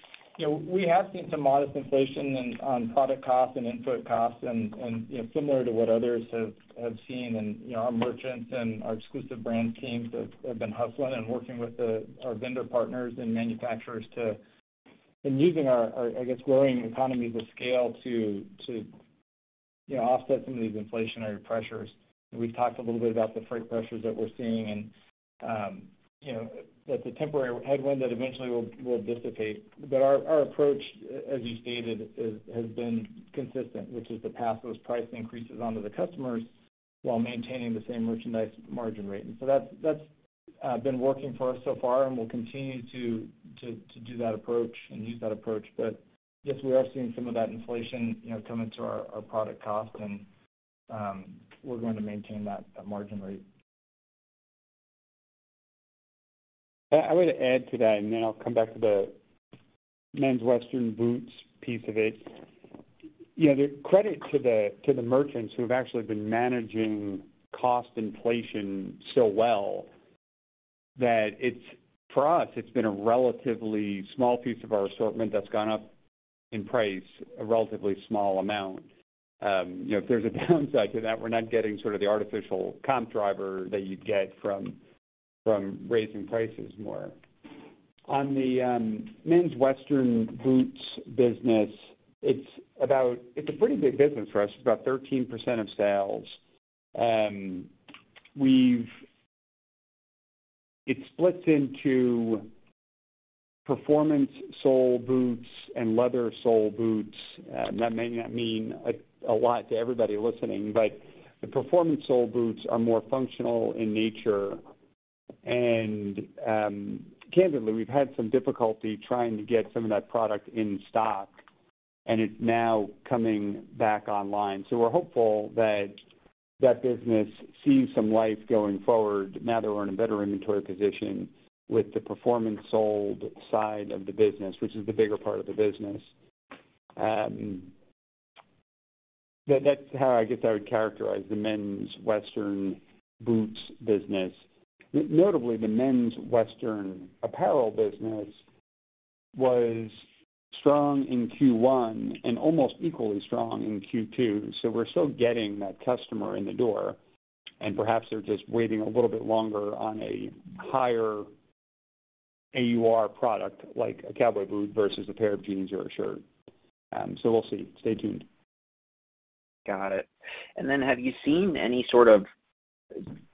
you know, we have seen some modest inflation in product costs and input costs and, you know, similar to what others have seen. You know, our merchants and our exclusive brand teams have been hustling and working with our vendor partners and manufacturers, and using our, I guess, growing economies of scale to, you know, offset some of these inflationary pressures. We've talked a little bit about the freight pressures that we're seeing and, you know, that's a temporary headwind that eventually will dissipate. Our approach, as you stated, has been consistent, which is to pass those price increases on to the customers while maintaining the same merchandise margin rate. That's been working for us so far and we'll continue to do that approach and use that approach. Yes, we are seeing some of that inflation, you know, come into our product cost and we're going to maintain that margin rate. I would add to that, and then I'll come back to the Men's Western Boots piece of it. You know, the credit to the merchants who have actually been managing cost inflation so well that it's for us, it's been a relatively small piece of our assortment that's gone up in price a relatively small amount. You know, if there's a downside to that, we're not getting sort of the artificial comp driver that you'd get from raising prices more. On the Men's Western Boots business, it's about. It's a pretty big business for us. It's about 13% of sales. It splits into performance sole boots and leather sole boots. That may not mean a lot to everybody listening, but the performance sole boots are more functional in nature. Candidly, we've had some difficulty trying to get some of that product in stock, and it's now coming back online. We're hopeful that that business sees some life going forward now that we're in a better inventory position with the performance soled side of the business, which is the bigger part of the business. That's how I guess I would characterize the Men's Western Boots business. Notably, the Men's Western Apparel business was strong in Q1 and almost equally strong in Q2. We're still getting that customer in the door, and perhaps they're just waiting a little bit longer on a higher AUR product like a cowboy boot versus a pair of jeans or a shirt. We'll see. Stay tuned. Got it. Have you seen any sort of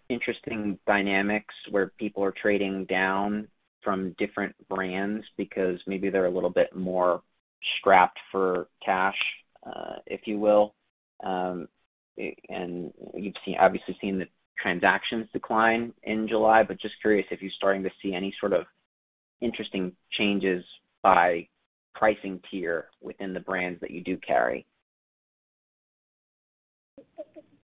interesting dynamics where people are trading down from different brands because maybe they're a little bit more strapped for cash, if you will? You've obviously seen the transactions decline in July, but just curious if you're starting to see any sort of interesting changes by pricing tier within the brands that you do carry.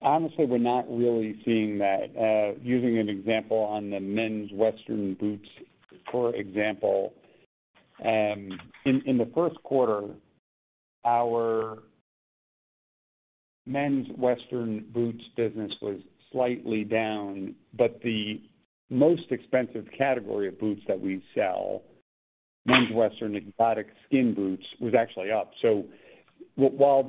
Honestly, we're not really seeing that. Using an example on the Men's Western Boots, for example, in the first quarter, our Men's Western Boots business was slightly down. The most expensive category of boots that we sell, Men's Western exotic skin boots, was actually up. While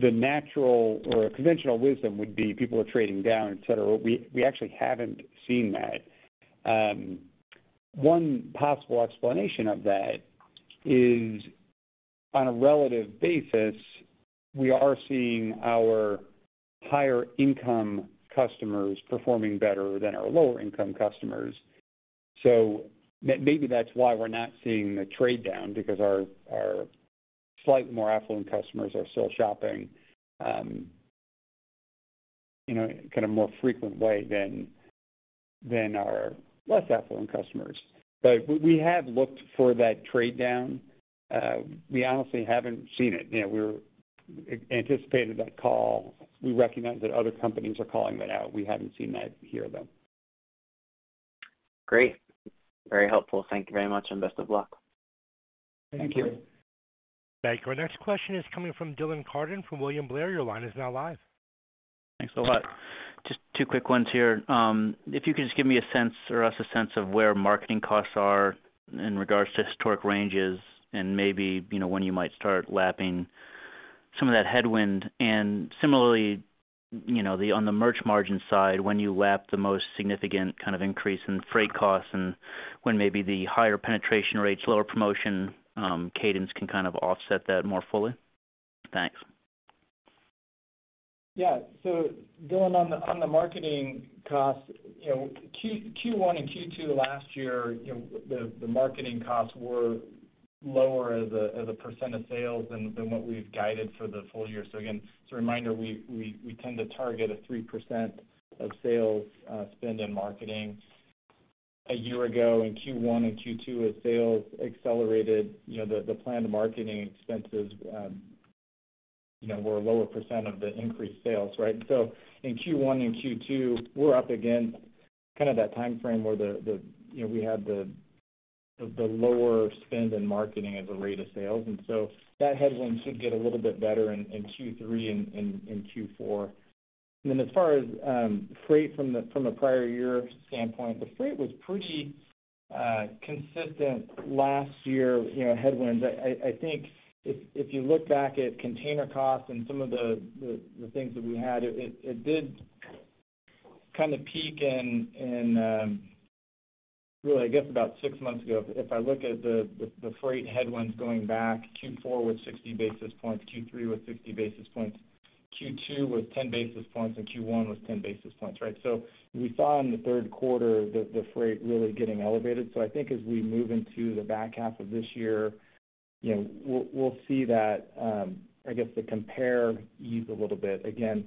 the natural or conventional wisdom would be people are trading down, et cetera, we actually haven't seen that. One possible explanation of that is on a relative basis, we are seeing our higher income customers performing better than our lower income customers. Maybe that's why we're not seeing the trade down because our slightly more affluent customers are still shopping, you know, in kind of more frequent way than our less affluent customers. We have looked for that trade down. We honestly haven't seen it. You know, we're anticipating that call. We recognize that other companies are calling that out. We haven't seen that here, though. Great. Very helpful. Thank you very much, and best of luck. Thank you. Thank you. Our next question is coming from Dylan Carden from William Blair. Your line is now live. Thanks a lot. Just two quick ones here. If you could just give us a sense of where marketing costs are in regards to historic ranges and maybe, you know, when you might start lapping some of that headwind. Similarly, you know, on the merch margin side, when you lap the most significant kind of increase in freight costs and when maybe the higher penetration rates, lower promotion, cadence can kind of offset that more fully. Thanks. Yeah. Dylan, on the marketing costs, you know, Q1 and Q2 last year, you know, the marketing costs were lower as a percent of sales than what we've guided for the full year. Again, as a reminder, we tend to target a 3% of sales spend in marketing. A year ago in Q1 and Q2 as sales accelerated, you know, the planned marketing expenses, you know, were a lower percent of the increased sales, right? In Q1 and Q2, we're up against kind of that timeframe where the, you know, we had the lower spend in marketing as a rate of sales. That headwind should get a little bit better in Q3 and Q4. As far as freight from the prior year standpoint, the freight was pretty consistent last year, you know, headwinds. I think if you look back at container costs and some of the things that we had, it did kind of peak in really I guess about six months ago. If I look at the freight headwinds going back, Q4 was 60 basis points, Q3 was 60 basis points, Q2 was 10 basis points, and Q1 was 10 basis points, right? We saw in the third quarter the freight really getting elevated. I think as we move into the back half of this year, you know, we'll see that I guess the compare ease a little bit. Again,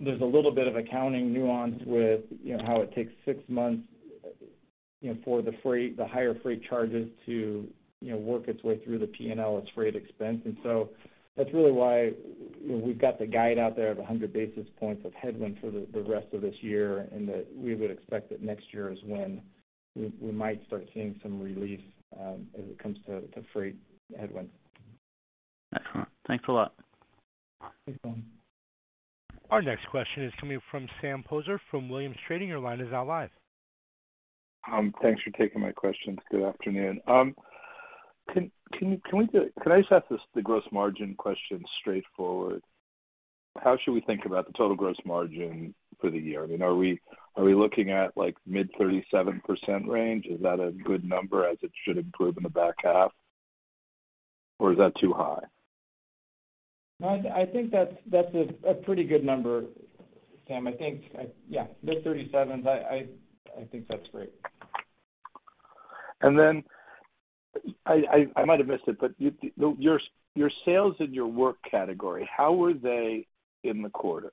there's a little bit of accounting nuance with, you know, how it takes six months, you know, for the freight, the higher freight charges to, you know, work its way through the P&L as freight expense. And so that's really why we've got the guide out there of 100 basis points of headwind for the rest of this year, and that we would expect that next year is when we might start seeing some relief, as it comes to freight headwinds. Excellent. Thanks a lot. Thanks, Dylan. Our next question is coming from Sam Poser from Williams Trading. Your line is now live. Thanks for taking my questions. Good afternoon. Can I just ask this, the gross margin question straightforward? How should we think about the total gross margin for the year? I mean, are we looking at like mid-37% range? Is that a good number as it should improve in the back half, or is that too high? No, I think that's a pretty good number, Sam. I think yeah, mid-30s. I think that's great. I might have missed it, but your sales in your work category, how were they in the quarter?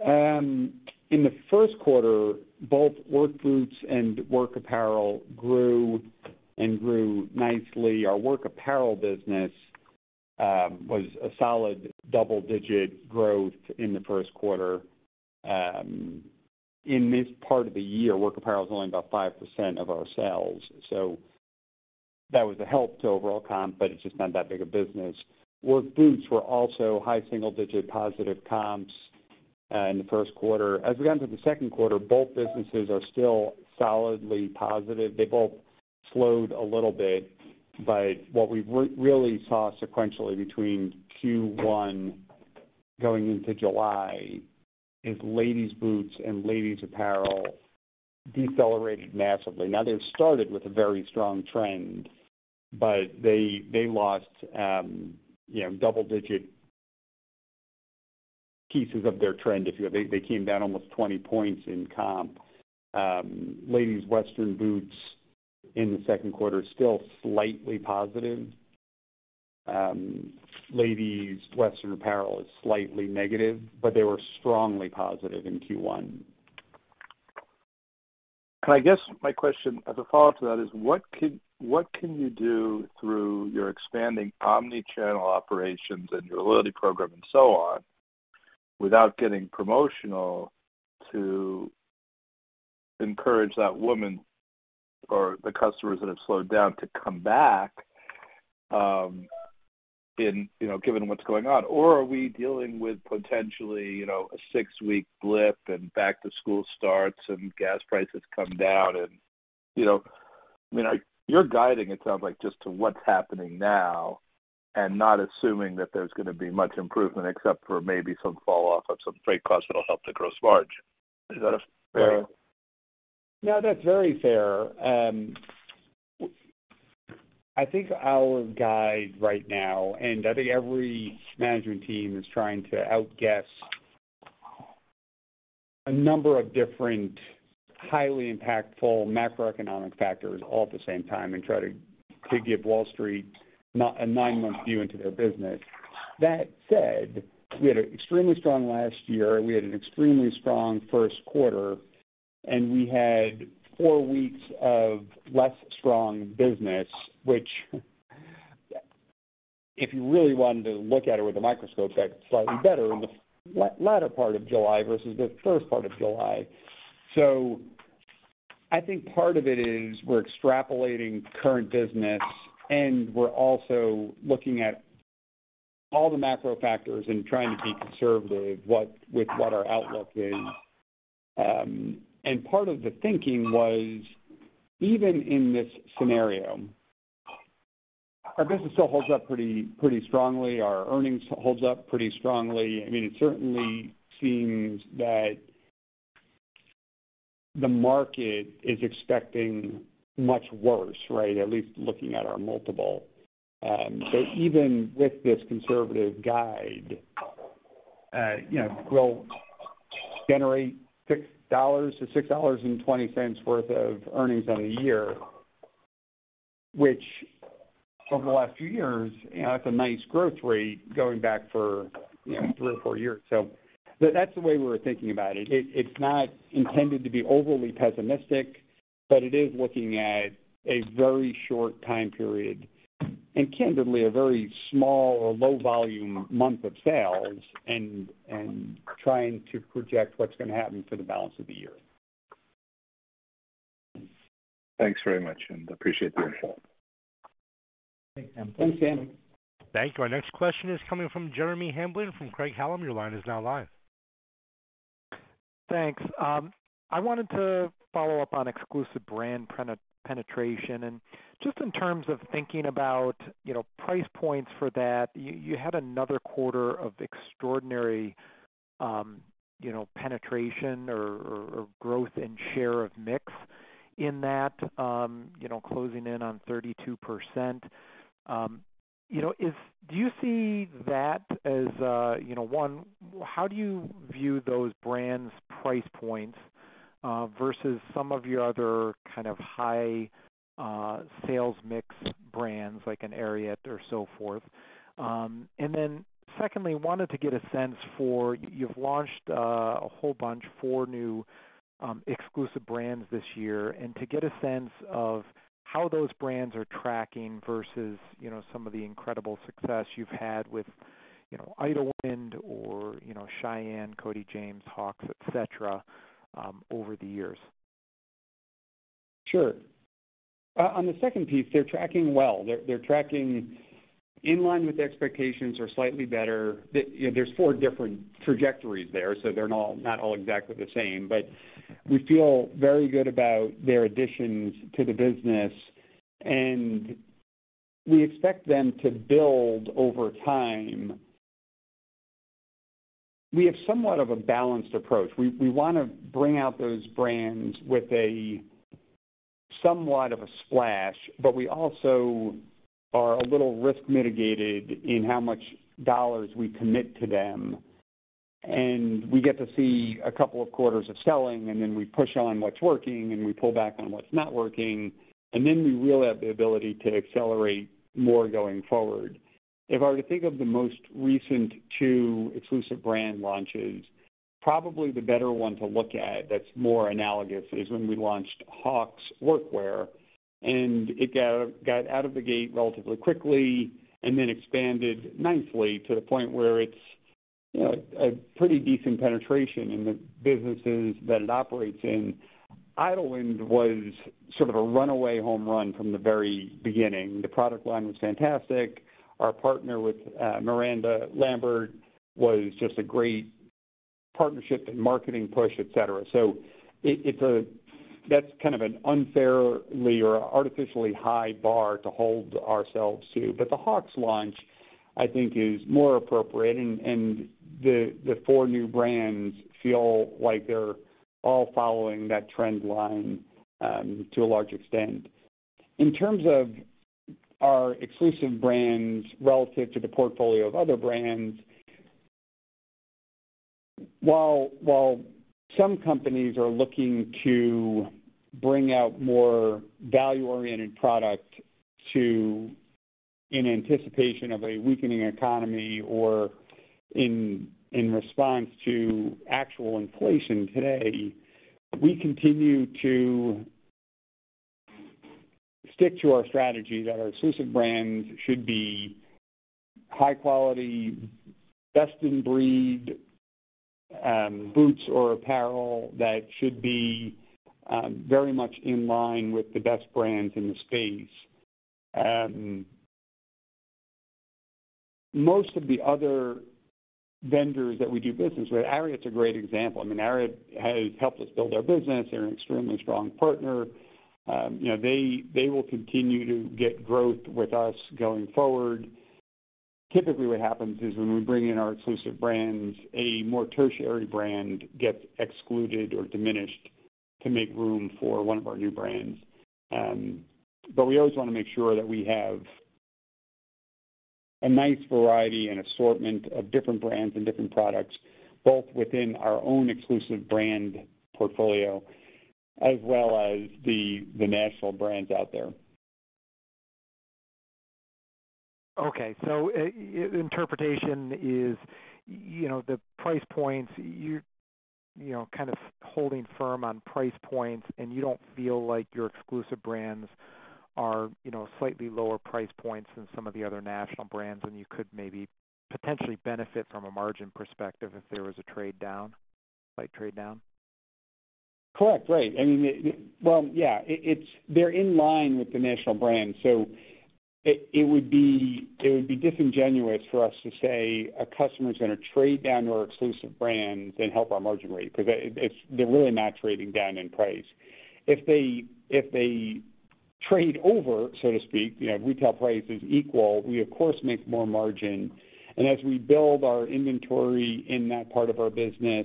In the first quarter, both work boots and work apparel grew nicely. Our work apparel business was a solid double-digit growth in the first quarter. In this part of the year, work apparel is only about 5% of our sales. That was a help to overall comp, but it's just not that big a business. Work boots were also high single-digit positive comps in the first quarter. As we got into the second quarter, both businesses are still solidly positive. They both slowed a little bit. What we really saw sequentially between Q1 going into July is ladies' boots and ladies' apparel decelerated massively. Now, they started with a very strong trend, but they lost, you know, double-digit pieces of their trend. They came down almost 20 points in comp. Ladies' Western Boots in the second quarter are still slightly positive. Ladies' Western Apparel is slightly negative, but they were strongly positive in Q1. I guess my question as a follow-up to that is what can you do through your expanding omni-channel operations and your loyalty program and so on without getting promotional to encourage that woman or the customers that have slowed down to come back? You know, given what's going on. Or are we dealing with potentially, you know, a six-week blip and back to school starts, and gas prices come down. You know, I mean, you're guiding, it sounds like, just to what's happening now and not assuming that there's gonna be much improvement except for maybe some fall off of some freight costs that'll help the gross margin. Is that a fair- No, that's very fair. I think our guide right now, and I think every management team is trying to outguess a number of different highly impactful macroeconomic factors all at the same time and try to give Wall Street a nine-month view into their business. That said, we had an extremely strong last year, and we had an extremely strong first quarter, and we had four weeks of less strong business, which if you really wanted to look at it with a microscope, looked slightly better in the latter part of July versus the first part of July. I think part of it is we're extrapolating current business, and we're also looking at all the macro factors and trying to be conservative with what our outlook is. Part of the thinking was, even in this scenario, our business still holds up pretty strongly. Our earnings holds up pretty strongly. I mean, it certainly seems that the market is expecting much worse, right? At least looking at our multiple. So even with this conservative guide, you know, we'll generate $6-$6.20 worth of earnings on the year, which over the last few years, you know, that's a nice growth rate going back for, you know, three or four years. So that's the way we're thinking about it. It's not intended to be overly pessimistic, but it is looking at a very short time period and candidly a very small or low volume month of sales and trying to project what's gonna happen for the balance of the year. Thanks very much, and appreciate the insight. Thanks, Sam. Thanks, Sam. Thank you. Our next question is coming from Jeremy Hamblin from Craig-Hallum. Your line is now live. Thanks. I wanted to follow up on exclusive brand penetration and just in terms of thinking about, you know, price points for that, you had another quarter of extraordinary, you know, penetration or growth in share of mix in that, you know, closing in on 32%. You know, is. Do you see that as, you know, one, how do you view those brands' price points, versus some of your other kind of high sales mix brands like an Ariat or so forth? And then secondly, wanted to get a sense for. You've launched a whole bunch, four new exclusive brands this year and to get a sense of how those brands are tracking versus, you know, some of the incredible success you've had with, you know, Idyllwind or, you know, Shyanne, Cody James, Hawx, et cetera over the years. Sure. On the second piece, they're tracking well. They're tracking in line with expectations or slightly better. You know, there's four different trajectories there, so they're not all exactly the same. But we feel very good about their additions to the business, and we expect them to build over time. We have somewhat of a balanced approach. We wanna bring out those brands with somewhat of a splash, but we also are a little risk mitigated in how much dollars we commit to them. We get to see a couple of quarters of selling, and then we push on what's working, and we pull back on what's not working. We will have the ability to accelerate more going forward. If I were to think of the most recent two exclusive brand launches, probably the better one to look at that's more analogous is when we launched Hawx Workwear, and it got out of the gate relatively quickly and then expanded nicely to the point where it's, you know, a pretty decent penetration in the businesses that it operates in. Idyllwind was sort of a runaway home run from the very beginning. The product line was fantastic. Our partner with Miranda Lambert was just a great partnership and marketing push, et cetera. That's kind of an unfairly or artificially high bar to hold ourselves to. But the Hawx launch, I think, is more appropriate. And the four new brands feel like they're all following that trend line to a large extent. In terms of our exclusive brands relative to the portfolio of other brands, while some companies are looking to bring out more value-oriented product in anticipation of a weakening economy or in response to actual inflation today, we continue to stick to our strategy that our exclusive brands should be high quality, best in breed, boots or apparel that should be very much in line with the best brands in the space. Most of the other vendors that we do business with. Ariat's a great example. I mean, Ariat has helped us build our business. They're an extremely strong partner. You know, they will continue to get growth with us going forward. Typically, what happens is when we bring in our exclusive brands, a more tertiary brand gets excluded or diminished to make room for one of our new brands. We always wanna make sure that we have a nice variety and assortment of different brands and different products, both within our own exclusive brand portfolio as well as the national brands out there. Okay. Interpretation is, you know, the price points, you're, you know, kind of holding firm on price points and you don't feel like your exclusive brands are, you know, slightly lower price points than some of the other national brands and you could maybe potentially benefit from a margin perspective if there was a trade down, slight trade down? Correct. Right. I mean, well, yeah, it's, they're in line with the national brands. It would be disingenuous for us to say a customer's gonna trade down to our exclusive brands and help our margin rate because it's, they're really not trading down in price. If they trade over, so to speak, you know, retail price is equal, we of course make more margin. As we build our inventory in that part of our business,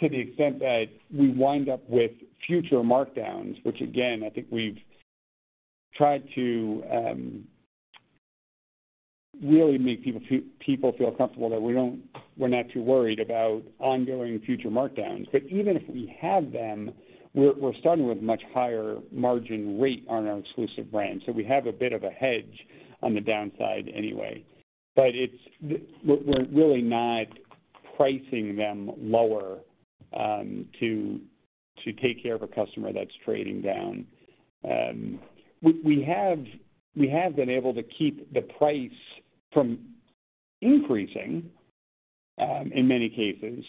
to the extent that we wind up with future markdowns, which again, I think we've tried to really make people feel comfortable that we don't. We're not too worried about ongoing future markdowns. Even if we have them, we're starting with much higher margin rate on our exclusive brands, so we have a bit of a hedge on the downside anyway. We're really not pricing them lower to take care of a customer that's trading down. We have been able to keep the price from increasing in many cases.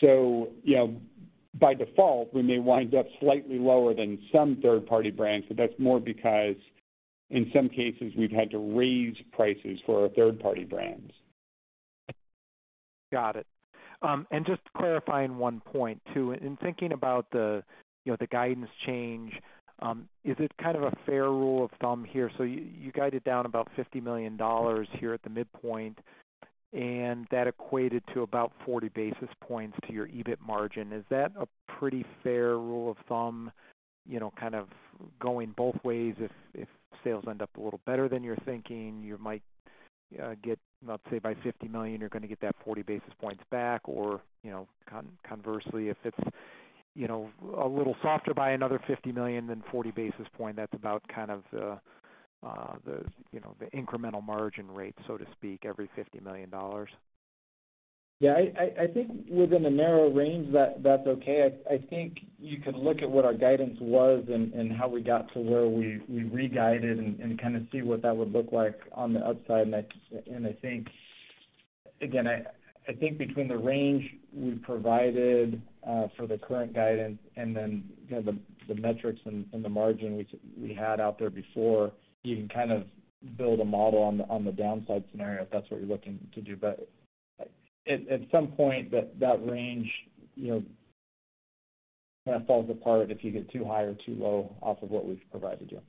You know, by default, we may wind up slightly lower than some third-party brands, but that's more because in some cases we've had to raise prices for our third-party brands. Got it. Just clarifying one point too. In thinking about the, you know, the guidance change, is it kind of a fair rule of thumb here? You guided down about $50 million here at the midpoint, and that equated to about 40 basis points to your EBIT margin. Is that a pretty fair rule of thumb, you know, kind of going both ways? If sales end up a little better than you're thinking, you might get, let's say by $50 million, you're gonna get that 40 basis points back or, you know, conversely, if it's, you know, a little softer by another $50 million than 40 basis points, that's about kind of the incremental margin rate, so to speak, every $50 million. Yeah. I think within a narrow range, that's okay. I think you could look at what our guidance was and how we got to where we re-guided and kind of see what that would look like on the upside. I think again, I think between the range we provided for the current guidance and then kind of the metrics and the margin we had out there before, you can kind of build a model on the downside scenario if that's what you're looking to do. At some point that range, you know, kind of falls apart if you get too high or too low off of what we've provided you.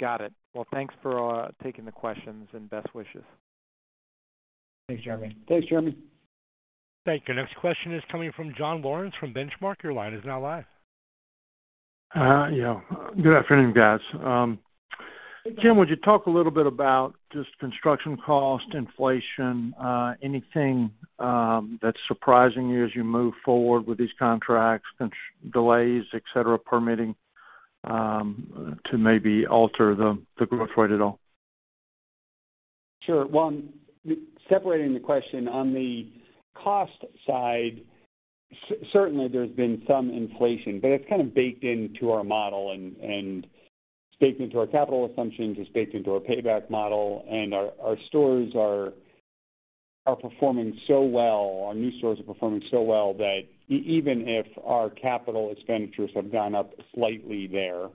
Got it. Well, thanks for taking the questions and best wishes. Thanks, Jeremy. Thanks, Jeremy. Thank you. Next question is coming from John Lawrence from Benchmark. Your line is now live. Yeah. Good afternoon, guys. Jim, would you talk a little bit about just construction cost inflation, anything that's surprising you as you move forward with these contracts, delays, et cetera, permitting, to maybe alter the growth rate at all? Sure. Well, separating the question, on the cost side, certainly there's been some inflation, but it's kind of baked into our model and it's baked into our capital assumptions, it's baked into our payback model, and our stores are performing so well, our new stores are performing so well that even if our capital expenditures have gone up slightly there,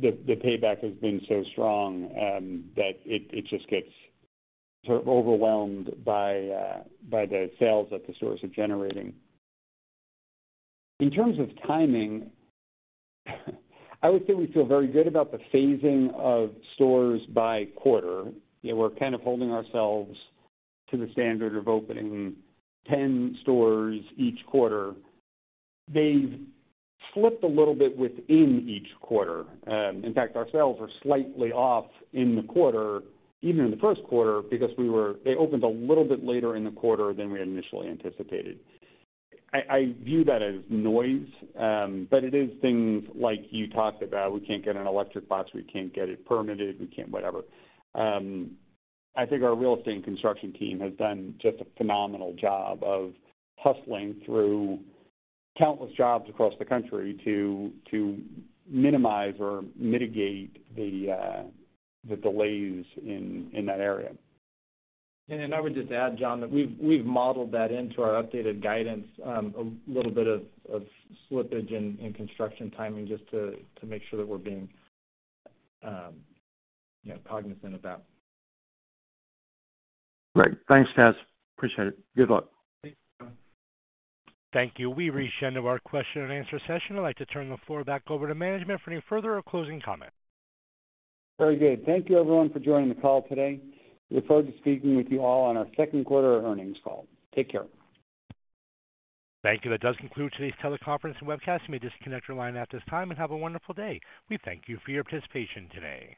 the payback has been so strong that it just gets sort of overwhelmed by the sales that the stores are generating. In terms of timing, I would say we feel very good about the phasing of stores by quarter. We're kind of holding ourselves to the standard of opening 10 stores each quarter. They've flipped a little bit within each quarter. In fact, our sales were slightly off in the quarter, even in the first quarter, because they opened a little bit later in the quarter than we initially anticipated. I view that as noise, but it is things like you talked about, we can't get an electric box, we can't get it permitted, we can't whatever. I think our real estate and construction team has done just a phenomenal job of hustling through countless jobs across the country to minimize or mitigate the delays in that area. I would just add, John, that we've modeled that into our updated guidance, a little bit of slippage in construction timing just to make sure that we're being, you know, cognizant of that. Great. Thanks, guys. Appreciate it. Good luck. Thanks. Thank you. Thank you. We've reached the end of our question and answer session. I'd like to turn the floor back over to management for any further or closing comments. Very good. Thank you everyone for joining the call today. We look forward to speaking with you all on our second quarter earnings call. Take care. Thank you. That does conclude today's teleconference and webcast. You may disconnect your line at this time and have a wonderful day. We thank you for your participation today.